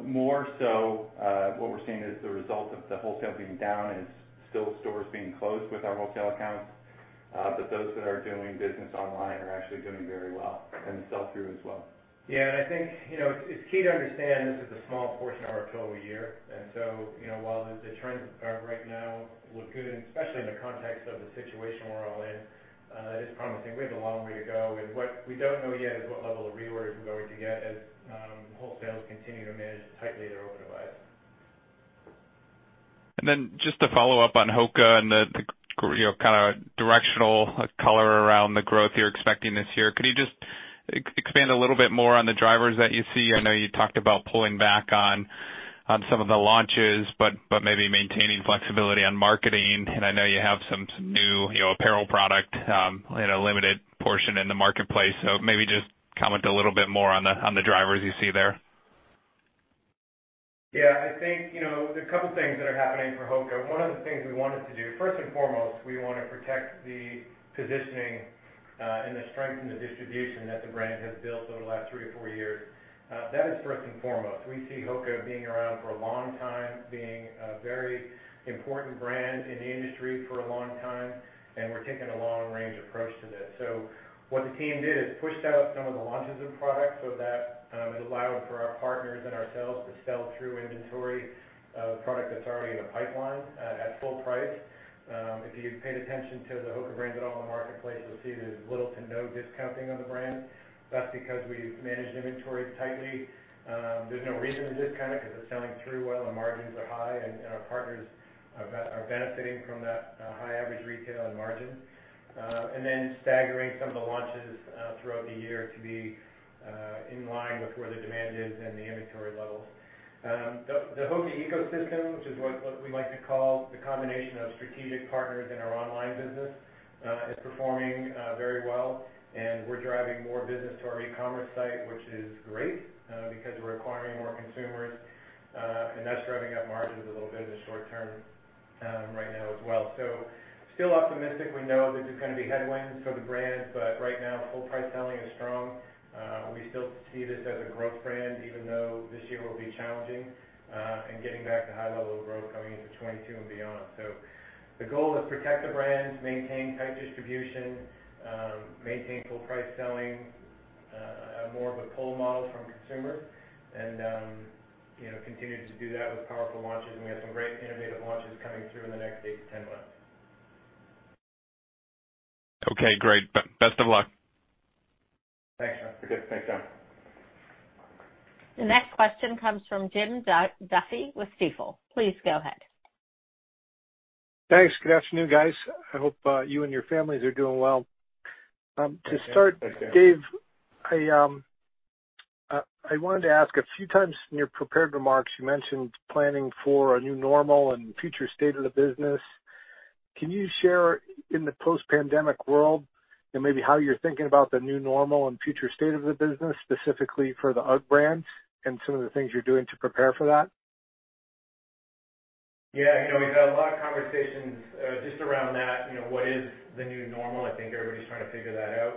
More so, what we're seeing as the result of the wholesale being down is still stores being closed with our wholesale accounts. Those that are doing business online are actually doing very well, and the sell-through as well. Yeah, I think it's key to understand this is a small portion of our total year. While the trends right now look good, and especially in the context of the situation we're all in, it is promising. We have a long way to go, and what we don't know yet is what level of reorder we're going to get as wholesales continue to manage tightly their order levels. Then just to follow up on HOKA and the kind of directional color around the growth you're expecting this year. Could you just expand a little bit more on the drivers that you see? I know you talked about pulling back on some of the launches, but maybe maintaining flexibility on marketing, and I know you have some new apparel product in a limited portion in the marketplace. Maybe just comment a little bit more on the drivers you see there. Yeah, I think, there are a couple things that are happening for HOKA. One of the things we wanted to do, first and foremost, we want to protect the positioning and the strength in the distribution that the brand has built over the last three or four years. That is first and foremost. We see HOKA being around for a long time, being a very important brand in the industry for a long time, and we're taking a long-range approach to this. What the team did is pushed out some of the launches of product so that it allowed for our partners and ourselves to sell through inventory of product that's already in the pipeline at full price. If you paid attention to the HOKA brands at all in the marketplace, you'll see there's little to no discounting on the brand. That's because we've managed inventory tightly. There's no reason to discount it because it's selling through well, the margins are high, and our partners are benefiting from that high average retail and margin. Staggering some of the launches throughout the year to be in line with where the demand is and the inventory levels. The HOKA ecosystem, which is what we like to call the combination of strategic partners in our online business, is performing very well, and we're driving more business to our e-commerce site, which is great because we're acquiring more consumers and that's driving up margins a little bit in the short term right now as well. Still optimistic. We know there's going to be headwinds for the brand, but right now full price selling is strong. We still see this as a growth brand, even though this year will be challenging and getting back to high levels of growth coming into 2022 and beyond. The goal is protect the brands, maintain tight distribution, maintain full price selling, more of a pull model from consumer, and continue to do that with powerful launches, and we have some great innovative launches coming through in the next 8-10 months. Okay, great. Best of luck. Thanks. Appreciate it. Thanks, John. The next question comes from Jim Duffy with Stifel. Please go ahead. Thanks. Good afternoon, guys. I hope you and your families are doing well. Thanks, Jim. To start, Dave, I wanted to ask a few times in your prepared remarks, you mentioned planning for a new normal and future state of the business. Can you share in the post-pandemic world and maybe how you're thinking about the new normal and future state of the business, specifically for the UGG brand and some of the things you're doing to prepare for that? Yeah. We've had a lot of conversations just around that. What is the new normal? I think everybody's trying to figure that out.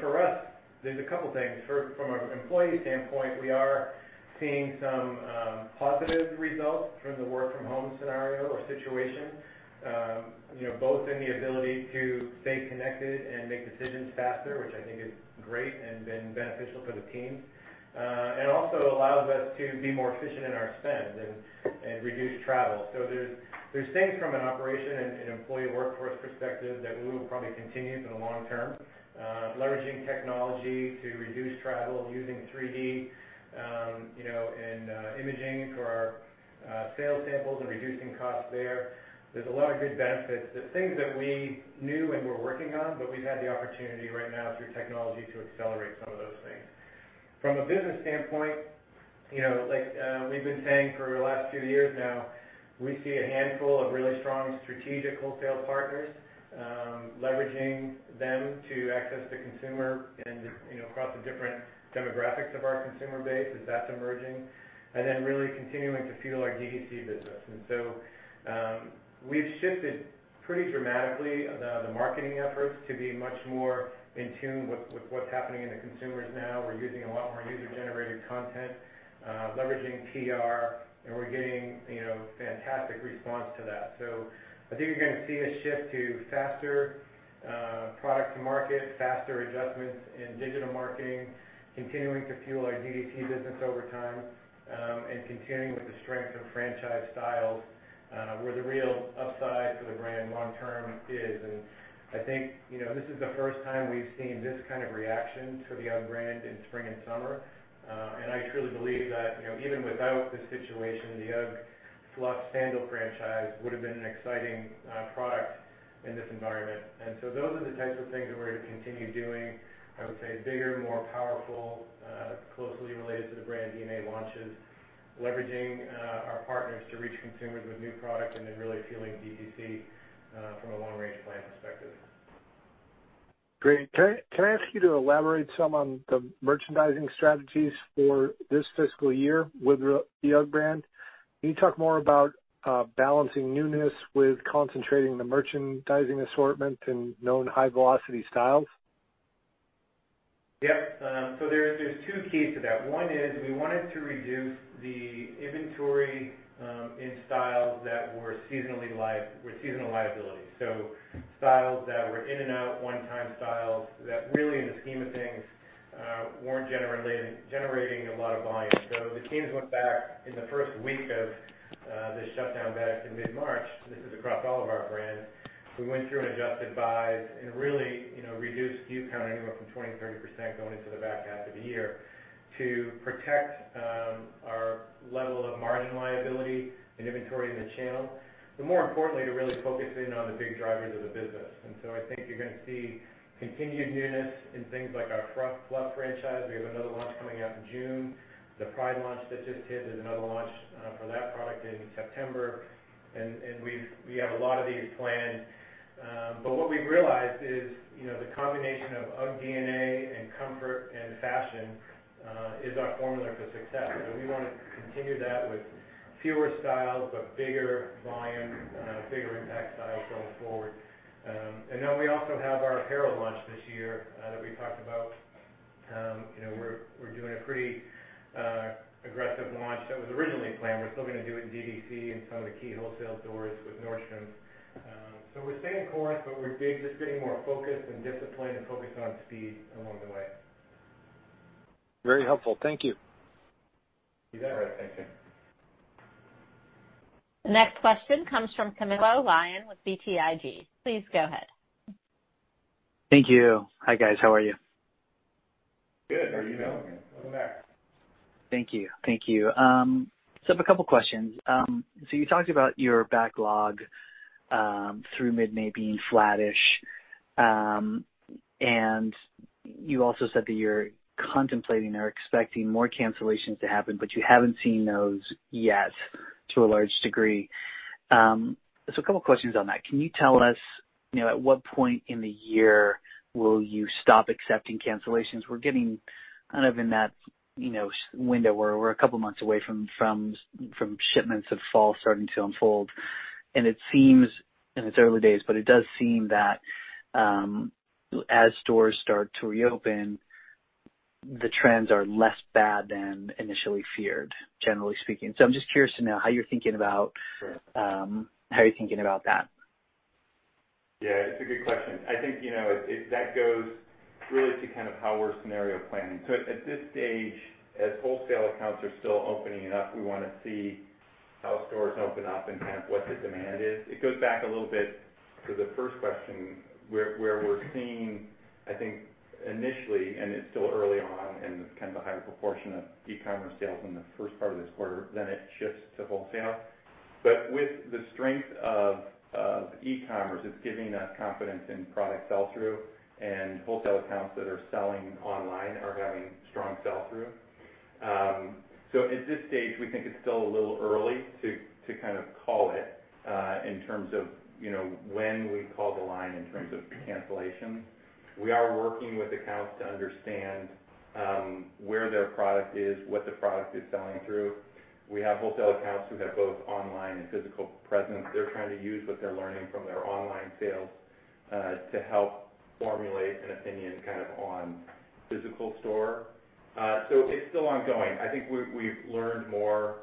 For us, there's a couple things. From an employee standpoint, we are seeing some positive results from the work from home scenario or situation, both in the ability to stay connected and make decisions faster, which I think is great and been beneficial for the team. Also allows us to be more efficient in our spend and reduce travel. There's things from an operation and employee workforce perspective that we will probably continue for the long term. Leveraging technology to reduce travel, using 3D in imaging for our sales samples and reducing costs there. There's a lot of good benefits. The things that we knew and were working on, but we've had the opportunity right now through technology to accelerate some of those things. From a business standpoint, like we've been saying for the last few years now, we see a handful of really strong strategic wholesale partners, leveraging them to access the consumer and across the different demographics of our consumer base as that's emerging. Really continuing to fuel our DTC business. We've shifted pretty dramatically the marketing efforts to be much more in tune with what's happening in the consumers now. We're using a lot more user-generated content, leveraging PR, and we're getting fantastic response to that. I think you're going to see a shift to faster product to market, faster adjustments in digital marketing, continuing to fuel our DTC business over time, and continuing with the strength of franchise styles where the real upside for the brand long term is. I think this is the first time we've seen this kind of reaction to the UGG brand in spring and summer. I truly believe that even without the situation, the UGG Fluff sandal franchise would have been an exciting product in this environment. Those are the types of things that we're going to continue doing. I would say bigger, more powerful, closely related to the brand DNA launches, leveraging our partners to reach consumers with new product, and then really fueling DTC from a long-range plan perspective. Great. Can I ask you to elaborate some on the merchandising strategies for this fiscal year with the UGG brand? Can you talk more about balancing newness with concentrating the merchandising assortment in known high velocity styles? Yeah. There's two keys to that. One is we wanted to reduce the inventory in styles that were seasonal liability. Styles that were in and out, one-time styles, that really in the scheme of things, weren't generating a lot of volume. The teams went back in the first week of the shutdown back in mid-March. This is across all of our brands. We went through and adjusted buys and really reduced unit count anywhere from 20%-30% going into the back half of the year to protect our level of margin liability and inventory in the channel. More importantly, to really focus in on the big drivers of the business. I think you're going to see continued newness in things like our Fluff franchise. We have another launch coming out in June. The Pride launch that just hit, there's another launch for that product in September. We have a lot of these planned. What we've realized is, the combination of UGG DNA and comfort and fashion, is our formula for success. We want to continue that with fewer styles, but bigger volume, bigger impact styles going forward. We also have our apparel launch this year, that we talked about. We're doing a pretty aggressive launch that was originally planned. We're still going to do it in DTC and some of the key wholesale stores with Nordstrom. We're staying course, but we're just getting more focused and disciplined and focused on speed along the way. Very helpful. Thank you. You bet. Right. Thank you. The next question comes from Camilo Lyon with BTIG. Please go ahead. Thank you. Hi, guys. How are you? Good. How are you doing? Welcome back. Thank you. I have a couple questions. You talked about your backlog, through mid-May being flattish. You also said that you're contemplating or expecting more cancellations to happen, but you haven't seen those yet to a large degree. A couple questions on that. Can you tell us, at what point in the year will you stop accepting cancellations? We're getting kind of in that window where we're a couple of months away from shipments of fall starting to unfold. It seems, and it's early days, but it does seem that, as stores start to reopen, the trends are less bad than initially feared, generally speaking. I'm just curious to know how you're thinking about that. Yeah. It's a good question. I think, that goes really to kind of how we're scenario planning. At this stage, as wholesale accounts are still opening up, we want to see how stores open up and kind of what the demand is. It goes back a little bit to the first question, where we're seeing, I think initially, and it's still early on and it's kind of a higher proportion of e-commerce sales in the first part of this quarter, then it shifts to wholesale. With the strength of e-commerce, it's giving us confidence in product sell-through and wholesale accounts that are selling online are having strong sell-through. At this stage, we think it's still a little early to kind of call it, in terms of when we call the line in terms of cancellations. We are working with accounts to understand where their product is, what the product is selling through. We have wholesale accounts who have both online and physical presence. They're trying to use what they're learning from their online sales to help formulate an opinion kind of on physical store. It's still ongoing. I think we've learned more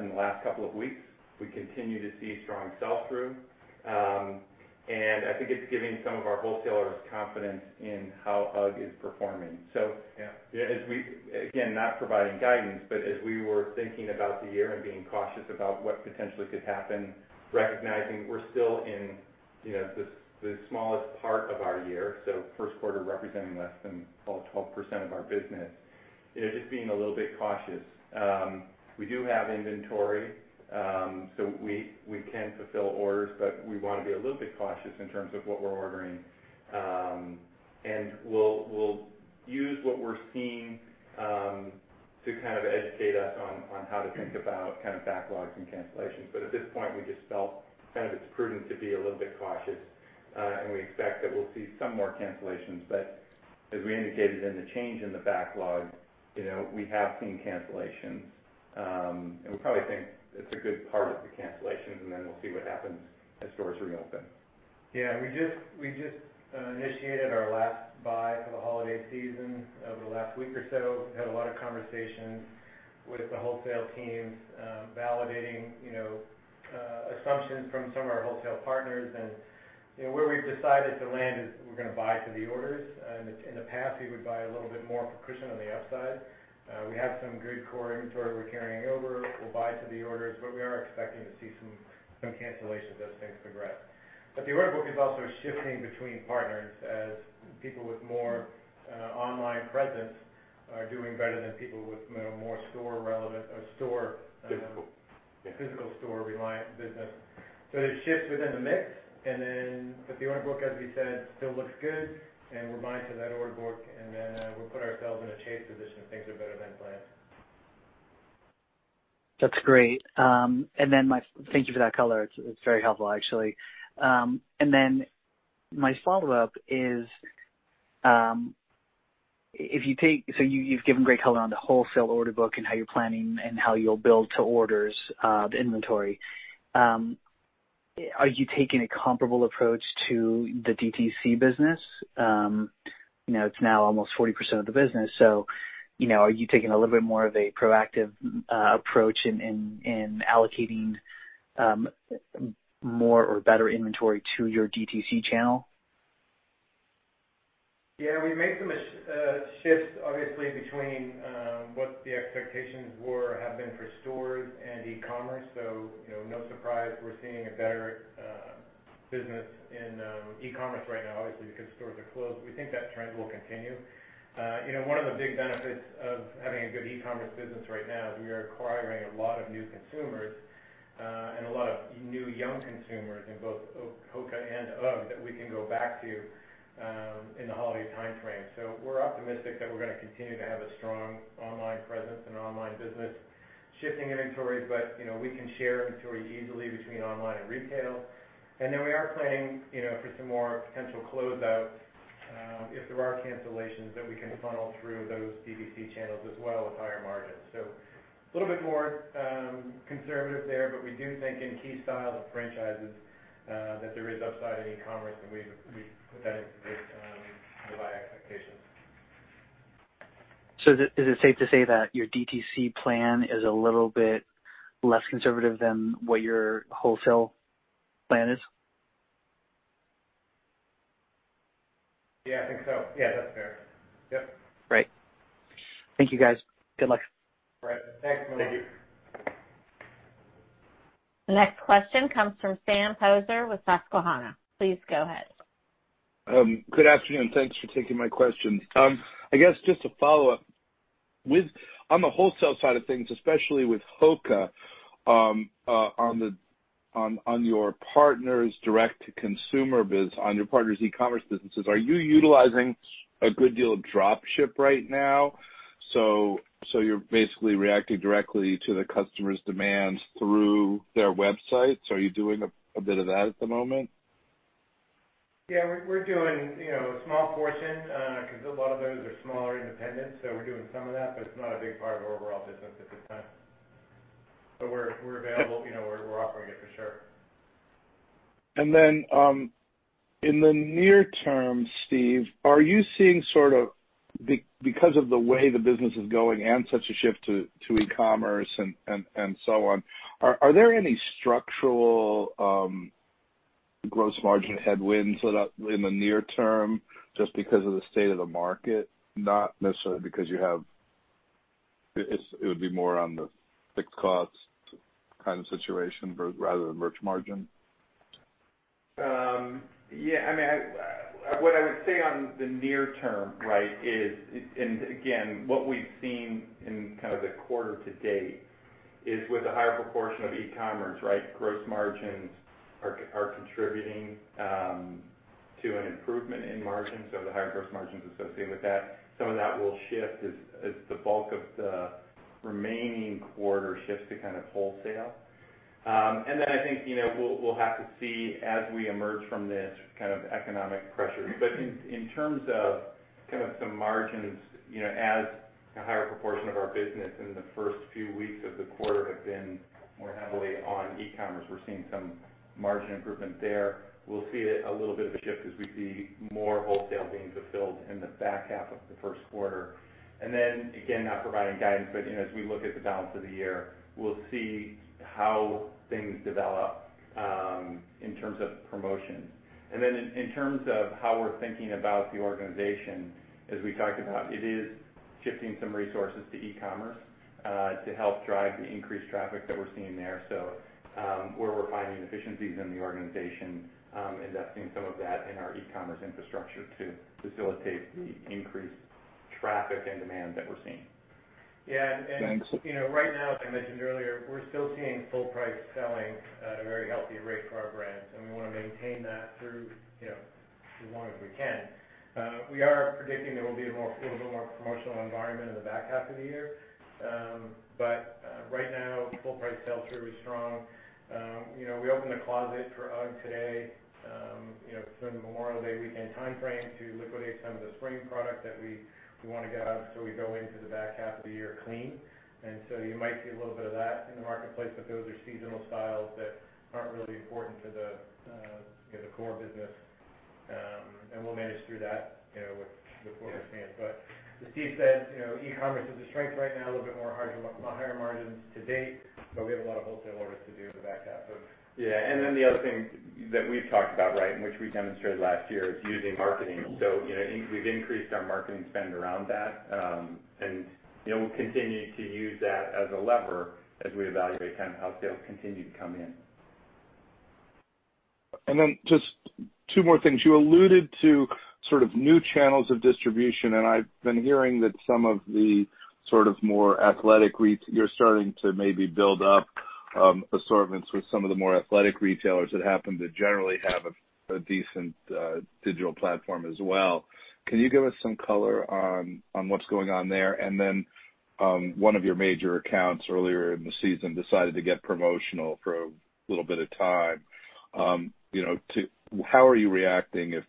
in the last couple of weeks. We continue to see strong sell-through. I think it's giving some of our wholesalers confidence in how UGG is performing. Again, not providing guidance, but as we were thinking about the year and being cautious about what potentially could happen, recognizing we're still in the smallest part of our year. First quarter representing less than 12% of our business is just being a little bit cautious. We do have inventory, so we can fulfill orders, but we want to be a little bit cautious in terms of what we're ordering. We'll use what we're seeing to kind of educate us on how to think about kind of backlogs and cancellations. At this point, we just felt kind of it's prudent to be a little bit cautious. We expect that we'll see some more cancellations, but as we indicated in the change in the backlog, we have seen cancellations. We probably think it's a good part of the cancellations, and then we'll see what happens as stores reopen. We just initiated our last buy for the holiday season over the last week or so. We've had a lot of conversations with the wholesale teams, validating assumptions from some of our wholesale partners. Where we've decided to land is we're going to buy to the orders. In the past, we would buy a little bit more for cushion on the upside. We have some good core inventory we're carrying over. We'll buy to the orders, but we are expecting to see some cancellations as things progress. The order book is also shifting between partners as people with more online presence are doing better than people with more store relevant or physical store reliant business. There's shifts within the mix and then, but the order book, as we said, still looks good and we're buying to that order book and then we'll put ourselves in a chase position if things are better than planned. That's great. Thank you for that color. It's very helpful actually. Then my follow-up is. You've given great color on the wholesale order book and how you're planning and how you'll build to orders the inventory. Are you taking a comparable approach to the DTC business? It's now almost 40% of the business. Are you taking a little bit more of a proactive approach in allocating more or better inventory to your DTC channel? Yeah, we've made some shifts, obviously, between what the expectations were, have been for stores and e-commerce. No surprise we're seeing a better business in e-commerce right now, obviously, because stores are closed. We think that trend will continue. One of the big benefits of having a good e-commerce business right now is we are acquiring a lot of new consumers and a lot of new young consumers in both HOKA and UGG that we can go back to in the holiday timeframe. We're optimistic that we're going to continue to have a strong online presence and online business shifting inventories. We can share inventory easily between online and retail. We are planning for some more potential closeouts if there are cancellations that we can funnel through those DTC channels as well with higher margins. A little bit more conservative there, but we do think in key styles of franchises that there is upside in e-commerce, and we put that into the buy expectations. Is it safe to say that your DTC plan is a little bit less conservative than what your wholesale plan is? Yeah, I think so. Yeah, that's fair. Yep. Great. Thank you guys. Good luck. Great. Thank you. The next question comes from Sam Poser with Susquehanna. Please go ahead. Good afternoon. Thanks for taking my questions. I guess just to follow up, on the wholesale side of things, especially with HOKA, on your partner's direct-to-consumer business, on your partner's e-commerce businesses, are you utilizing a good deal of drop ship right now? You're basically reacting directly to the customer's demands through their websites. Are you doing a bit of that at the moment? Yeah, we're doing a small portion because a lot of those are smaller independents. We're doing some of that, but it's not a big part of our overall business at this time. We're available. We're offering it for sure. In the near term, Steve, are you seeing sort of because of the way the business is going and such a shift to e-commerce and so on, are there any structural gross margin headwinds in the near term just because of the state of the market? Not necessarily. It would be more on the fixed cost kind of situation rather than merch margin. What I would say on the near term is, what we've seen in the quarter to date is with a higher proportion of e-commerce. Gross margins are contributing to an improvement in margins, the higher gross margins associated with that. Some of that will shift as the bulk of the remaining quarter shifts to wholesale. I think we'll have to see as we emerge from this economic pressure. In terms of some margins, as a higher proportion of our business in the first few weeks of the quarter have been more heavily on e-commerce, we're seeing some margin improvement there. We'll see a little bit of a shift as we see more wholesale being fulfilled in the back half of the first quarter. Again, not providing guidance, but as we look at the balance of the year, we'll see how things develop in terms of promotions. In terms of how we're thinking about the organization, as we talked about, it is shifting some resources to e-commerce to help drive the increased traffic that we're seeing there. Where we're finding efficiencies in the organization, investing some of that in our e-commerce infrastructure to facilitate the increased traffic and demand that we're seeing. Thanks. Right now, as I mentioned earlier, we're still seeing full-price selling at a very healthy rate for our brands, and we want to maintain that through as long as we can. We are predicting there will be a little bit more promotional environment in the back half of the year. Right now, full-price sales are really strong. We opened a closet for UGG today during the Memorial Day weekend timeframe to liquidate some of the spring product that we want to get out of, so we go into the back half of the year clean. You might see a little bit of that in the marketplace, but those are seasonal styles that aren't really important to the core business. We'll manage through that with what we're seeing. As Steve said, e-commerce is a strength right now, a little bit more higher margins to date, but we have a lot of wholesale orders to do in the back half. The other thing that we've talked about, and which we demonstrated last year, is using marketing. We've increased our marketing spend around that. We'll continue to use that as a lever as we evaluate kind of how sales continue to come in. Just two more things. You alluded to sort of new channels of distribution, and I've been hearing that some of the sort of more athletic, you're starting to maybe build up assortments with some of the more athletic retailers that happen to generally have a decent digital platform as well. Can you give us some color on what's going on there? One of your major accounts earlier in the season decided to get promotional for a little bit of time. How are you reacting if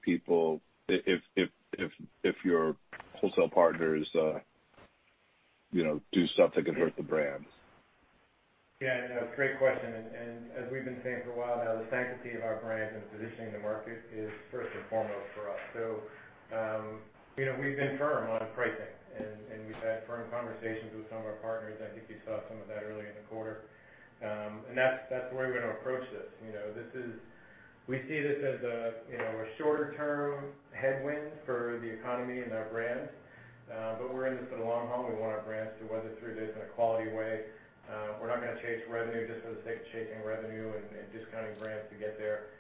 your wholesale partners do something that could hurt the brands? Yeah, no, great question. As we've been saying for a while now, the sanctity of our brands and positioning in the market is first and foremost for us. We've been firm on pricing, and we've had firm conversations with some of our partners. I think you saw some of that early in the quarter. That's the way we're going to approach this. We see this as a shorter-term headwind for the economy and our brands. We're in this for the long haul. We want our brands to weather through this in a quality way. We're not going to chase revenue just for the sake of chasing revenue and discounting brands to get there.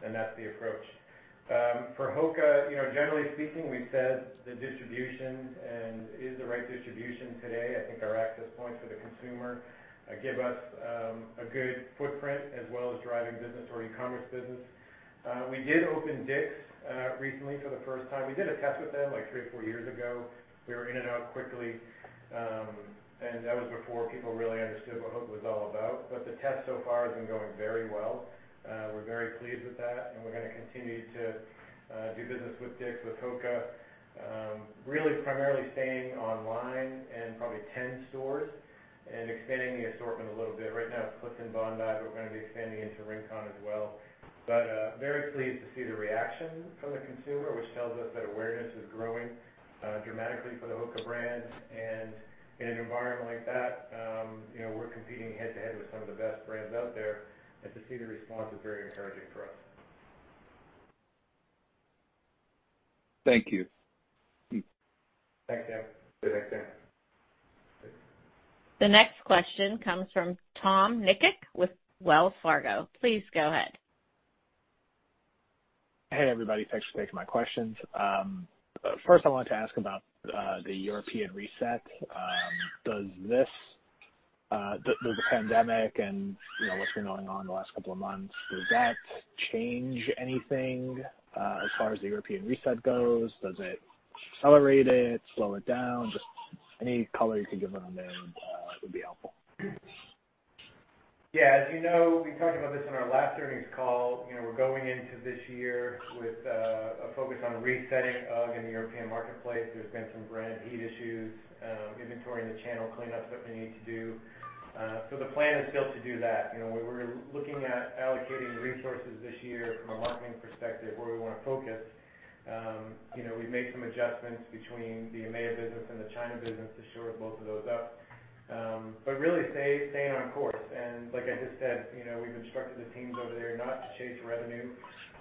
That's the approach. For HOKA, generally speaking, we've said the distribution is the right distribution today. I think our access points for the consumer give us a good footprint as well as driving business for our e-commerce business. We did open DICK'S recently for the first time. We did a test with them like three or four years ago. We were in and out quickly. That was before people really understood what HOKA was all about. The test so far has been going very well. We're very pleased with that, and we're going to continue to do business with DICK'S, with HOKA, really primarily staying online and probably 10 stores and expanding the assortment a little bit. Right now it's Clifton and Bondi, but we're going to be expanding into Rincon as well. Very pleased to see the reaction from the consumer, which tells us that awareness is growing dramatically for the HOKA brand. In an environment like that, we're competing head-to-head with some of the best brands out there, and to see the response is very encouraging for us. Thank you. Thanks, Sam. See you next time. The next question comes from Tom Nikic with Wells Fargo. Please go ahead. Hey everybody, thanks for taking my questions. First I wanted to ask about the European reset. Does the pandemic and what's been going on the last couple of months, does that change anything as far as the European reset goes? Does it accelerate it, slow it down? Just any color you could give on there would be helpful. As you know, we talked about this on our last earnings call. We're going into this year with a focus on resetting UGG in the European marketplace. There's been some brand heat issues, inventory in the channel cleanup is something we need to do. The plan is still to do that. We're looking at allocating resources this year from a marketing perspective where we want to focus. We've made some adjustments between the EMEA business and the China business to shore both of those up. Really staying on course, and like I just said, we've instructed the teams over there not to chase revenue.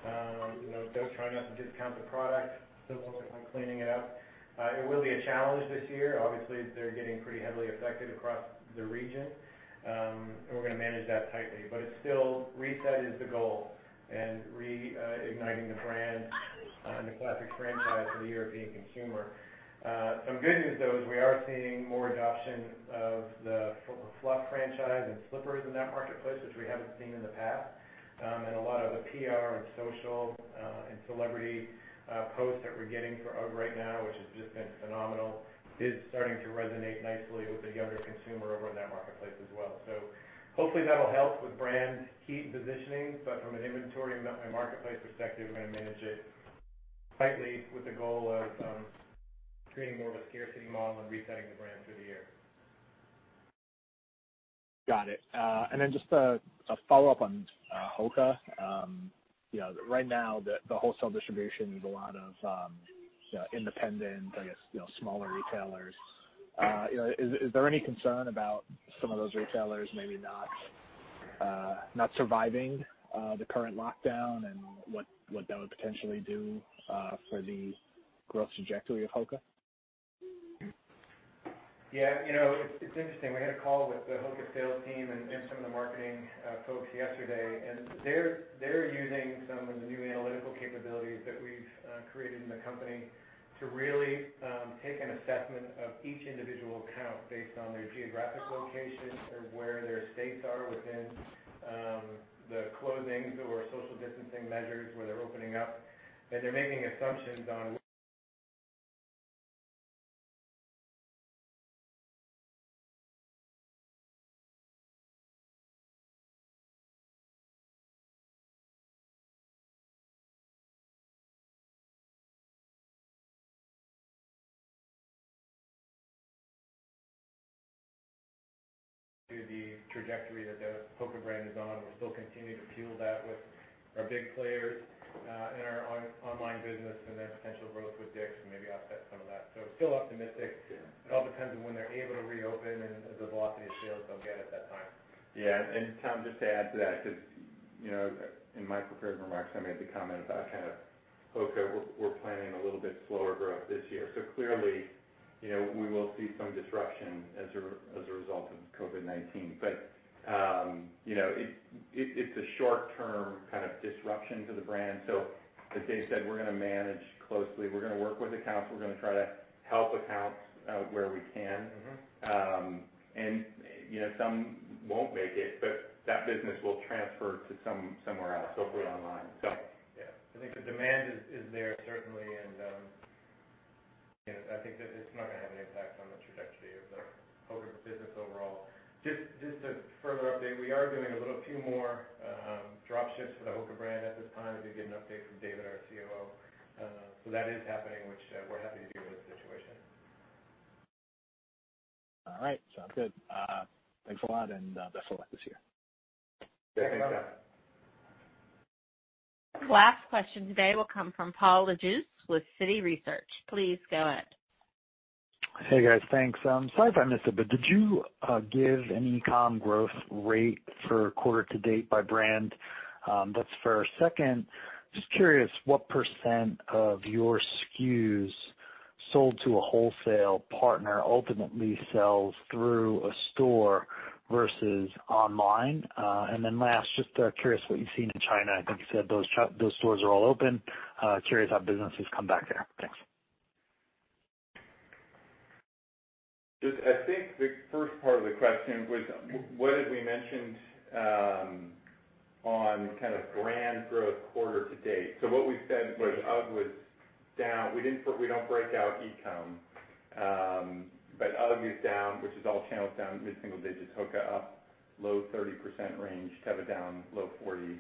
Try not to discount the product. Still focused on cleaning it up. It will be a challenge this year. Obviously, they're getting pretty heavily affected across the region, and we're going to manage that tightly. It's still reset is the goal and reigniting the brand and the Classic franchise for the European consumer. Some good news, though, is we are seeing more adoption of the Fluff franchise and slippers in that marketplace, which we haven't seen in the past. A lot of the PR and social and celebrity posts that we're getting for UGG right now, which has just been phenomenal, is starting to resonate nicely with the younger consumer over in that marketplace as well. Hopefully that'll help with brand heat positioning, but from an inventory and marketplace perspective, we're going to manage it tightly with the goal of creating more of a scarcity model and resetting the brand through the year. Got it. Just a follow-up on HOKA. Right now, the wholesale distribution is a lot of independent, I guess, smaller retailers. Is there any concern about some of those retailers maybe not surviving the current lockdown and what that would potentially do for the growth trajectory of HOKA? Yeah. It's interesting. We had a call with the HOKA sales team and some of the marketing folks yesterday. They're using some of the new analytical capabilities that we've created in the company to really take an assessment of each individual account based on their geographic location or where their states are within the closings or social distancing measures, where they're opening up. They're making assumptions on the trajectory that the HOKA brand is on. We still continue to peel that with our big players in our online business. Then potential growth with DICK'S to maybe offset some of that. Still optimistic. It all depends on when they're able to reopen and the velocity of sales they'll get at that time. Yeah. Tom, just to add to that, because in my prepared remarks, I made the comment about HOKA, we're planning a little bit slower growth this year. Clearly, we will see some disruption as a result of COVID-19. It's a short-term kind of disruption to the brand. As Dave said, we're going to manage closely. We're going to work with accounts. We're going to try to help accounts where we can. Some won't make it, but that business will transfer to somewhere else, hopefully online. I think the demand is there certainly, and I think that it's not going to have any impact on the trajectory of the HOKA business overall. Just to further update, we are doing a little few more drop ships for the HOKA brand at this time, as we get an update from David, our COO. That is happening, which we're happy to deal with the situation. All right, sounds good. Thanks a lot, and best of luck this year. Yeah, you bet. Last question today will come from Paul Lejuez with Citi Research. Please go ahead. Hey, guys. Thanks. Sorry if I missed it, but did you give an e-com growth rate for quarter to date by brand? That's first. Second, just curious what % of your SKUs sold to a wholesale partner ultimately sells through a store versus online. Last, just curious what you've seen in China. I think you said those stores are all open. Curious how business has come back there. Thanks. I think the first part of the question was what had we mentioned on kind of brand growth quarter to date. What we said was UGG was down. We don't break out e-com. UGG is down, which is all channels down mid-single digits. HOKA up low 30% range. Teva down low 40%.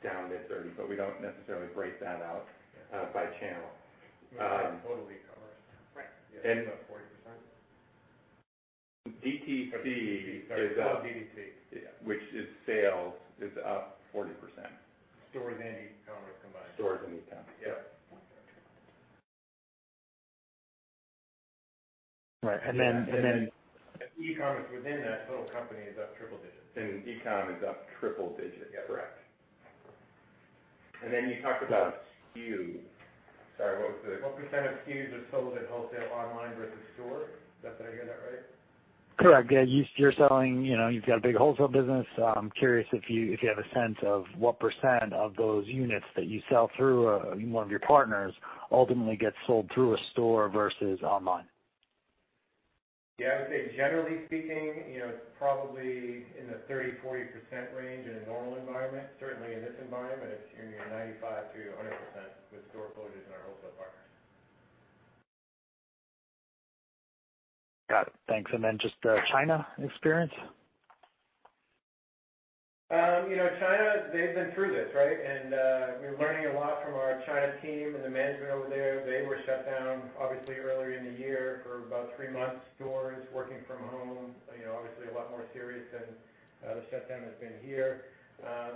Sanuk down mid-30%, we don't necessarily break that out by channel. You mean total e-commerce? Right. Yeah. It's up 40%? DTC is up. Sorry, DTC. Which is sales, is up 40%. Stores and e-commerce combined. Stores and e-com. Yep. Right. E-commerce within that total company is up triple digits. E-com is up triple digit. Yeah. Correct. Then you talked about SKU. Sorry, what percent of SKUs are sold at wholesale online versus store? Did I hear that right? Correct. Yeah. You've got a big wholesale business. I'm curious if you have a sense of what % of those units that you sell through one of your partners ultimately gets sold through a store versus online. Yeah. I would say generally speaking, it's probably in the 30%-40% range in a normal environment. Certainly in this environment, it's near 95%-100% with store closures and our wholesale partners. Got it. Thanks. Just the China experience. China, they've been through this, right? We're learning a lot from our China team and the management over there. They were shut down obviously earlier in the year for about three months, stores working from home. Obviously a lot more serious than the shutdown has been here.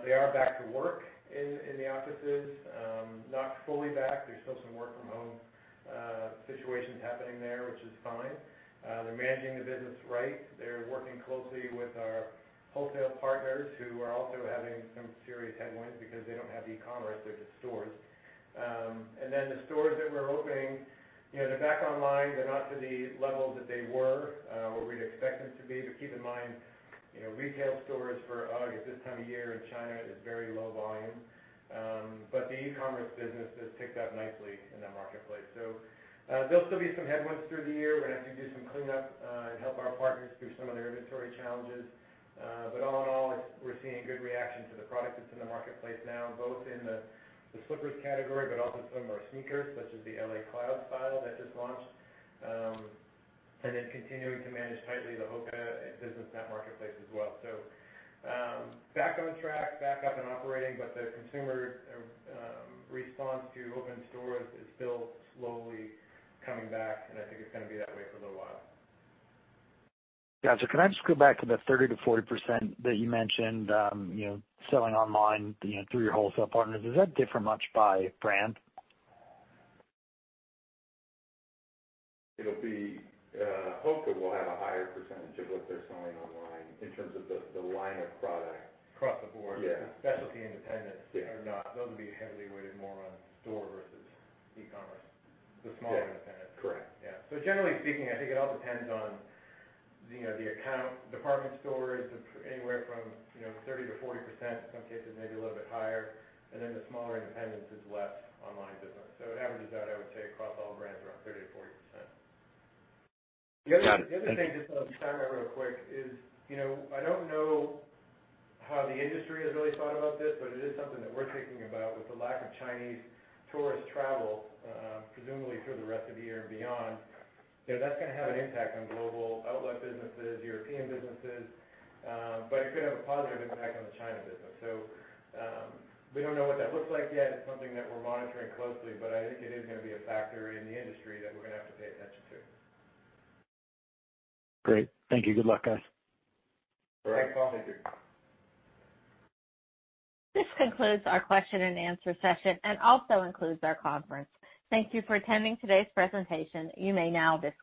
They are back to work in the offices. Not fully back. There's still some work from home situations happening there, which is fine. They're managing the business right. They're working closely with our wholesale partners who are also having some serious headwinds because they don't have e-commerce, they're just stores. The stores that were opening, they're back online. They're not to the level that they were, or we'd expect them to be. Keep in mind, retail stores for UGG at this time of year in China is very low volume. The e-commerce business has picked up nicely in that marketplace. There'll still be some headwinds through the year. We're going to have to do some cleanup and help our partners through some of their inventory challenges. All in all, we're seeing good reaction to the product that's in the marketplace now, both in the slippers category, but also some of our sneakers, such as the LA Cloud style that just launched. Continuing to manage tightly the HOKA business in that marketplace as well. Back on track, back up and operating, but the consumer response to open stores is still slowly coming back, and I think it's going to be that way for a little while. Gotcha. Can I just go back to the 30%-40% that you mentioned selling online through your wholesale partners? Does that differ much by brand? HOKA will have a higher percentage of what they're selling online in terms of the line of product. Across the board. Yeah. Specialty independents are not. Those would be heavily weighted more on store versus e-commerce, the smaller independents. Yeah. Correct. Yeah. Generally speaking, I think it all depends on the account. Department stores anywhere from 30%-40%, in some cases maybe a little bit higher. Then the smaller independents is less online business. It averages out, I would say, across all brands around 30%-40%. Got it. Thank you. The other thing, just while it's top of mind real quick is. I don't know how the industry has really thought about this, it is something that we're thinking about with the lack of Chinese tourist travel presumably through the rest of the year and beyond. That's going to have an impact on global outlet businesses, European businesses. It could have a positive impact on the China business. We don't know what that looks like yet. It's something that we're monitoring closely, I think it is going to be a factor in the industry that we're going to have to pay attention to. Great. Thank you. Good luck, guys. All right. Thank you. This concludes our question and answer session and also concludes our conference. Thank you for attending today's presentation. You may now disconnect.